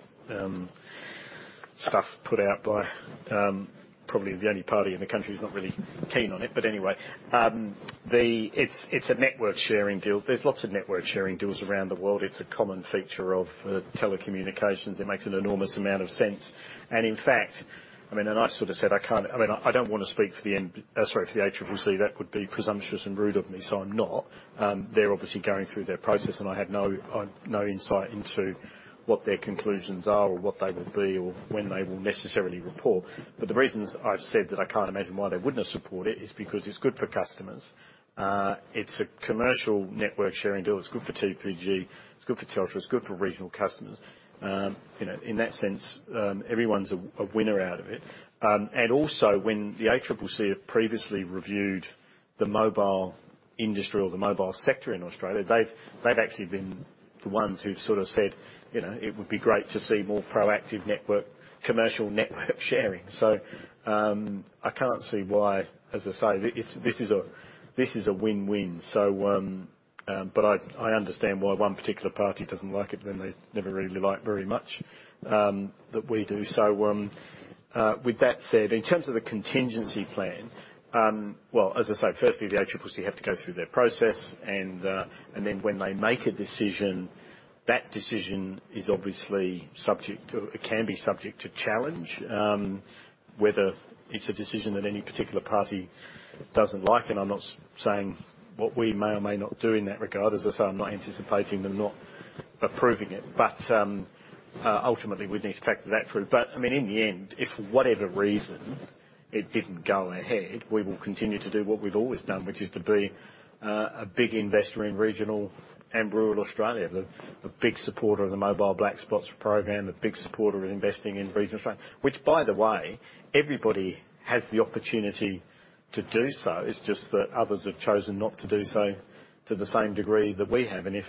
stuff put out by probably the only party in the country who's not really keen on it. Anyway, it's a network sharing deal. There's lots of network sharing deals around the world. It's a common feature of telecommunications. It makes an enormous amount of sense. In fact, I mean, I sort of said, I can't. I mean, I don't wanna speak for the ACCC. That would be presumptuous and rude of me, so I'm not. They're obviously going through their process, and I have no insight into what their conclusions are or what they will be or when they will necessarily report. The reasons I've said that I can't imagine why they wouldn't have supported it is because it's good for customers. It's a commercial network sharing deal. It's good for TPG. It's good for Telstra. It's good for regional customers. You know, in that sense, everyone's a winner out of it. Also when the ACCC have previously reviewed the mobile industry or the mobile sector in Australia, they've actually been the ones who've sort of said, you know, "It would be great to see more proactive network, commercial network sharing." I can't see why, as I say, this is a win-win. But I understand why one particular party doesn't like it when they never really like very much that we do. With that said, in terms of the contingency plan, well, as I say, firstly, the ACCC have to go through their process and then when they make a decision, that decision is obviously subject to challenge. Whether it's a decision that any particular party doesn't like, and I'm not saying what we may or may not do in that regard, as I say, I'm not anticipating them not approving it, but ultimately, we'd need to factor that through. I mean, in the end, if for whatever reason it didn't go ahead, we will continue to do what we've always done, which is to be a big investor in regional and rural Australia, the big supporter of the Mobile Black Spot Program, the big supporter in investing in regional Australia. Which by the way, everybody has the opportunity to do so. It's just that others have chosen not to do so to the same degree that we have. If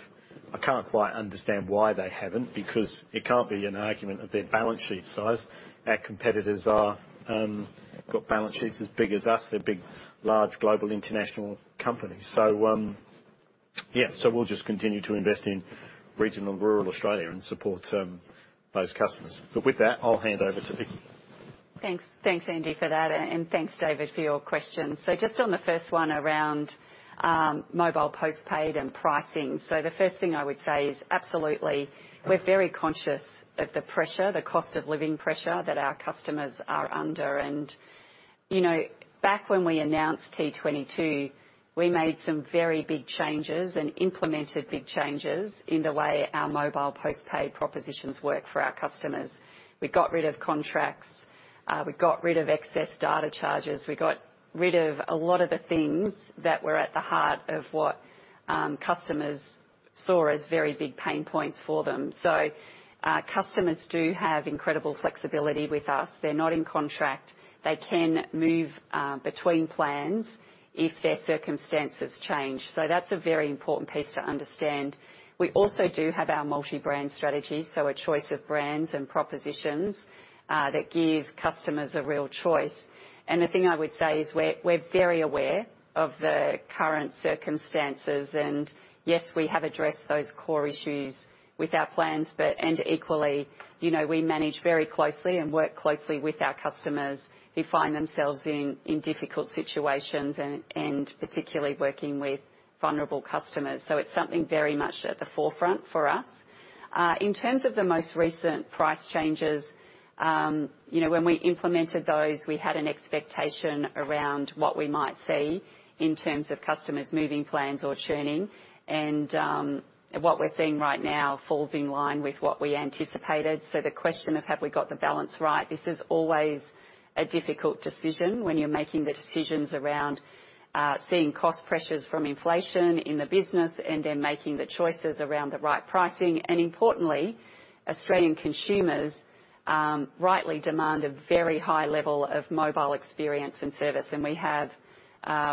I can't quite understand why they haven't, because it can't be an argument of their balance sheet size. Our competitors have got balance sheets as big as us. They're big, large global international companies. Yeah. We'll just continue to invest in regional and rural Australia and support those customers. With that, I'll hand over to Vicki. Thanks. Thanks, Andy, for that. And thanks, David, for your question. Just on the first one around mobile post-paid and pricing. The first thing I would say is absolutely, we're very conscious of the pressure, the cost of living pressure that our customers are under. You know, back when we announced T22, we made some very big changes and implemented big changes in the way our mobile post-paid propositions work for our customers. We got rid of contracts. We got rid of excess data charges. We got rid of a lot of the things that were at the heart of what customers saw as very big pain points for them. Customers do have incredible flexibility with us. They're not in contract. They can move between plans if their circumstances change. That's a very important piece to understand. We also do have our multi-brand strategy, so a choice of brands and propositions, that give customers a real choice. The thing I would say is we're very aware of the current circumstances. Yes, we have addressed those core issues with our plans, but. Equally, you know, we manage very closely and work closely with our customers who find themselves in difficult situations and particularly working with vulnerable customers. It's something very much at the forefront for us. In terms of the most recent price changes, you know, when we implemented those, we had an expectation around what we might see in terms of customers moving plans or churning. What we're seeing right now falls in line with what we anticipated. The question of have we got the balance right, this is always a difficult decision when you're making the decisions around seeing cost pressures from inflation in the business and then making the choices around the right pricing. Importantly, Australian consumers rightly demand a very high level of mobile experience and service, and we have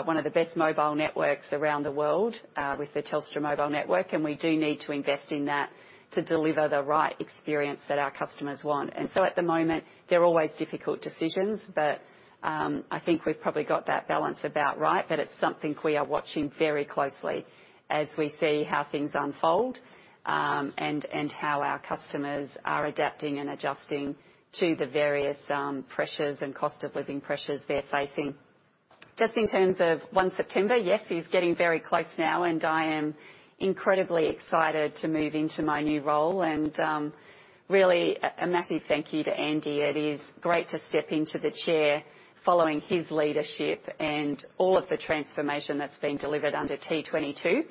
one of the best mobile networks around the world with the Telstra Mobile Network, and we do need to invest in that to deliver the right experience that our customers want. At the moment, they're always difficult decisions, but I think we've probably got that balance about right. It's something we are watching very closely as we see how things unfold and how our customers are adapting and adjusting to the various pressures and cost of living pressures they're facing. Just in terms of 1 September, yes, it is getting very close now, and I am incredibly excited to move into my new role. Really a massive thank you to Andy. It is great to step into the chair following his leadership and all of the transformation that's been delivered under T22.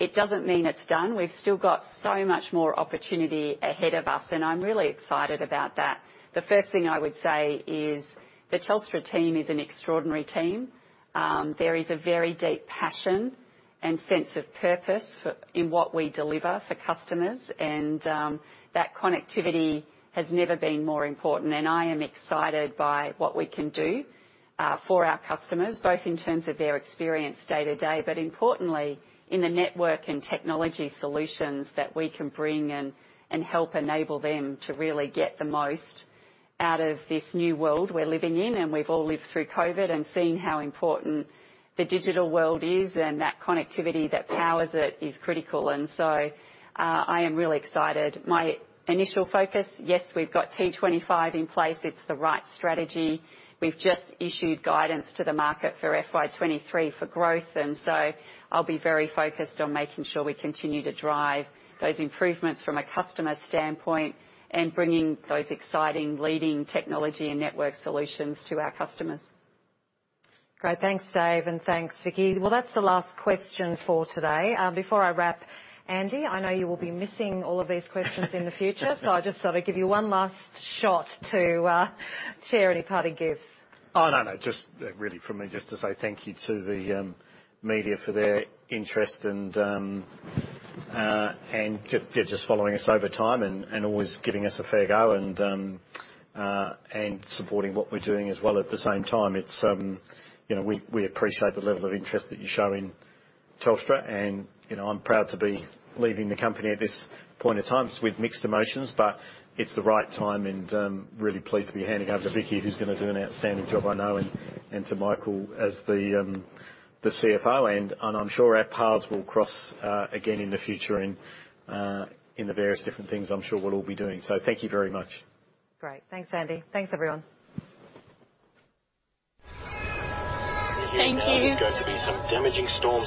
It doesn't mean it's done. We've still got so much more opportunity ahead of us, and I'm really excited about that. The first thing I would say is the Telstra team is an extraordinary team. There is a very deep passion and sense of purpose for, in what we deliver for customers. That connectivity has never been more important. I am excited by what we can do for our customers, both in terms of their experience day to day, but importantly in the network and technology solutions that we can bring and help enable them to really get the most out of this new world we're living in. We've all lived through COVID and seen how important the digital world is, and that connectivity that powers it is critical. I am really excited. My initial focus, yes, we've got T25 in place. It's the right strategy. We've just issued guidance to the market for FY 2023 for growth. I'll be very focused on making sure we continue to drive those improvements from a customer standpoint and bringing those exciting leading technology and network solutions to our customers. Great. Thanks, Dave. Thanks, Vicki. Well, that's the last question for today. Before I wrap, Andy, I know you will be missing all of these questions in the future. I just thought I'd give you one last shot to share any parting gifts. Oh, no. Just really from me, just to say thank you to the media for their interest and yeah, just following us over time and always giving us a fair go and supporting what we're doing as well at the same time. It's you know, we appreciate the level of interest that you show in Telstra. You know, I'm proud to be leaving the company at this point in time. It's with mixed emotions, but it's the right time and really pleased to be handing over to Vicki, who's gonna do an outstanding job, I know, and to Michael as the CFO. I'm sure our paths will cross again in the future in the various different things I'm sure we'll all be doing. Thank you very much. Great. Thanks, Andy. Thanks, everyone. Thank you.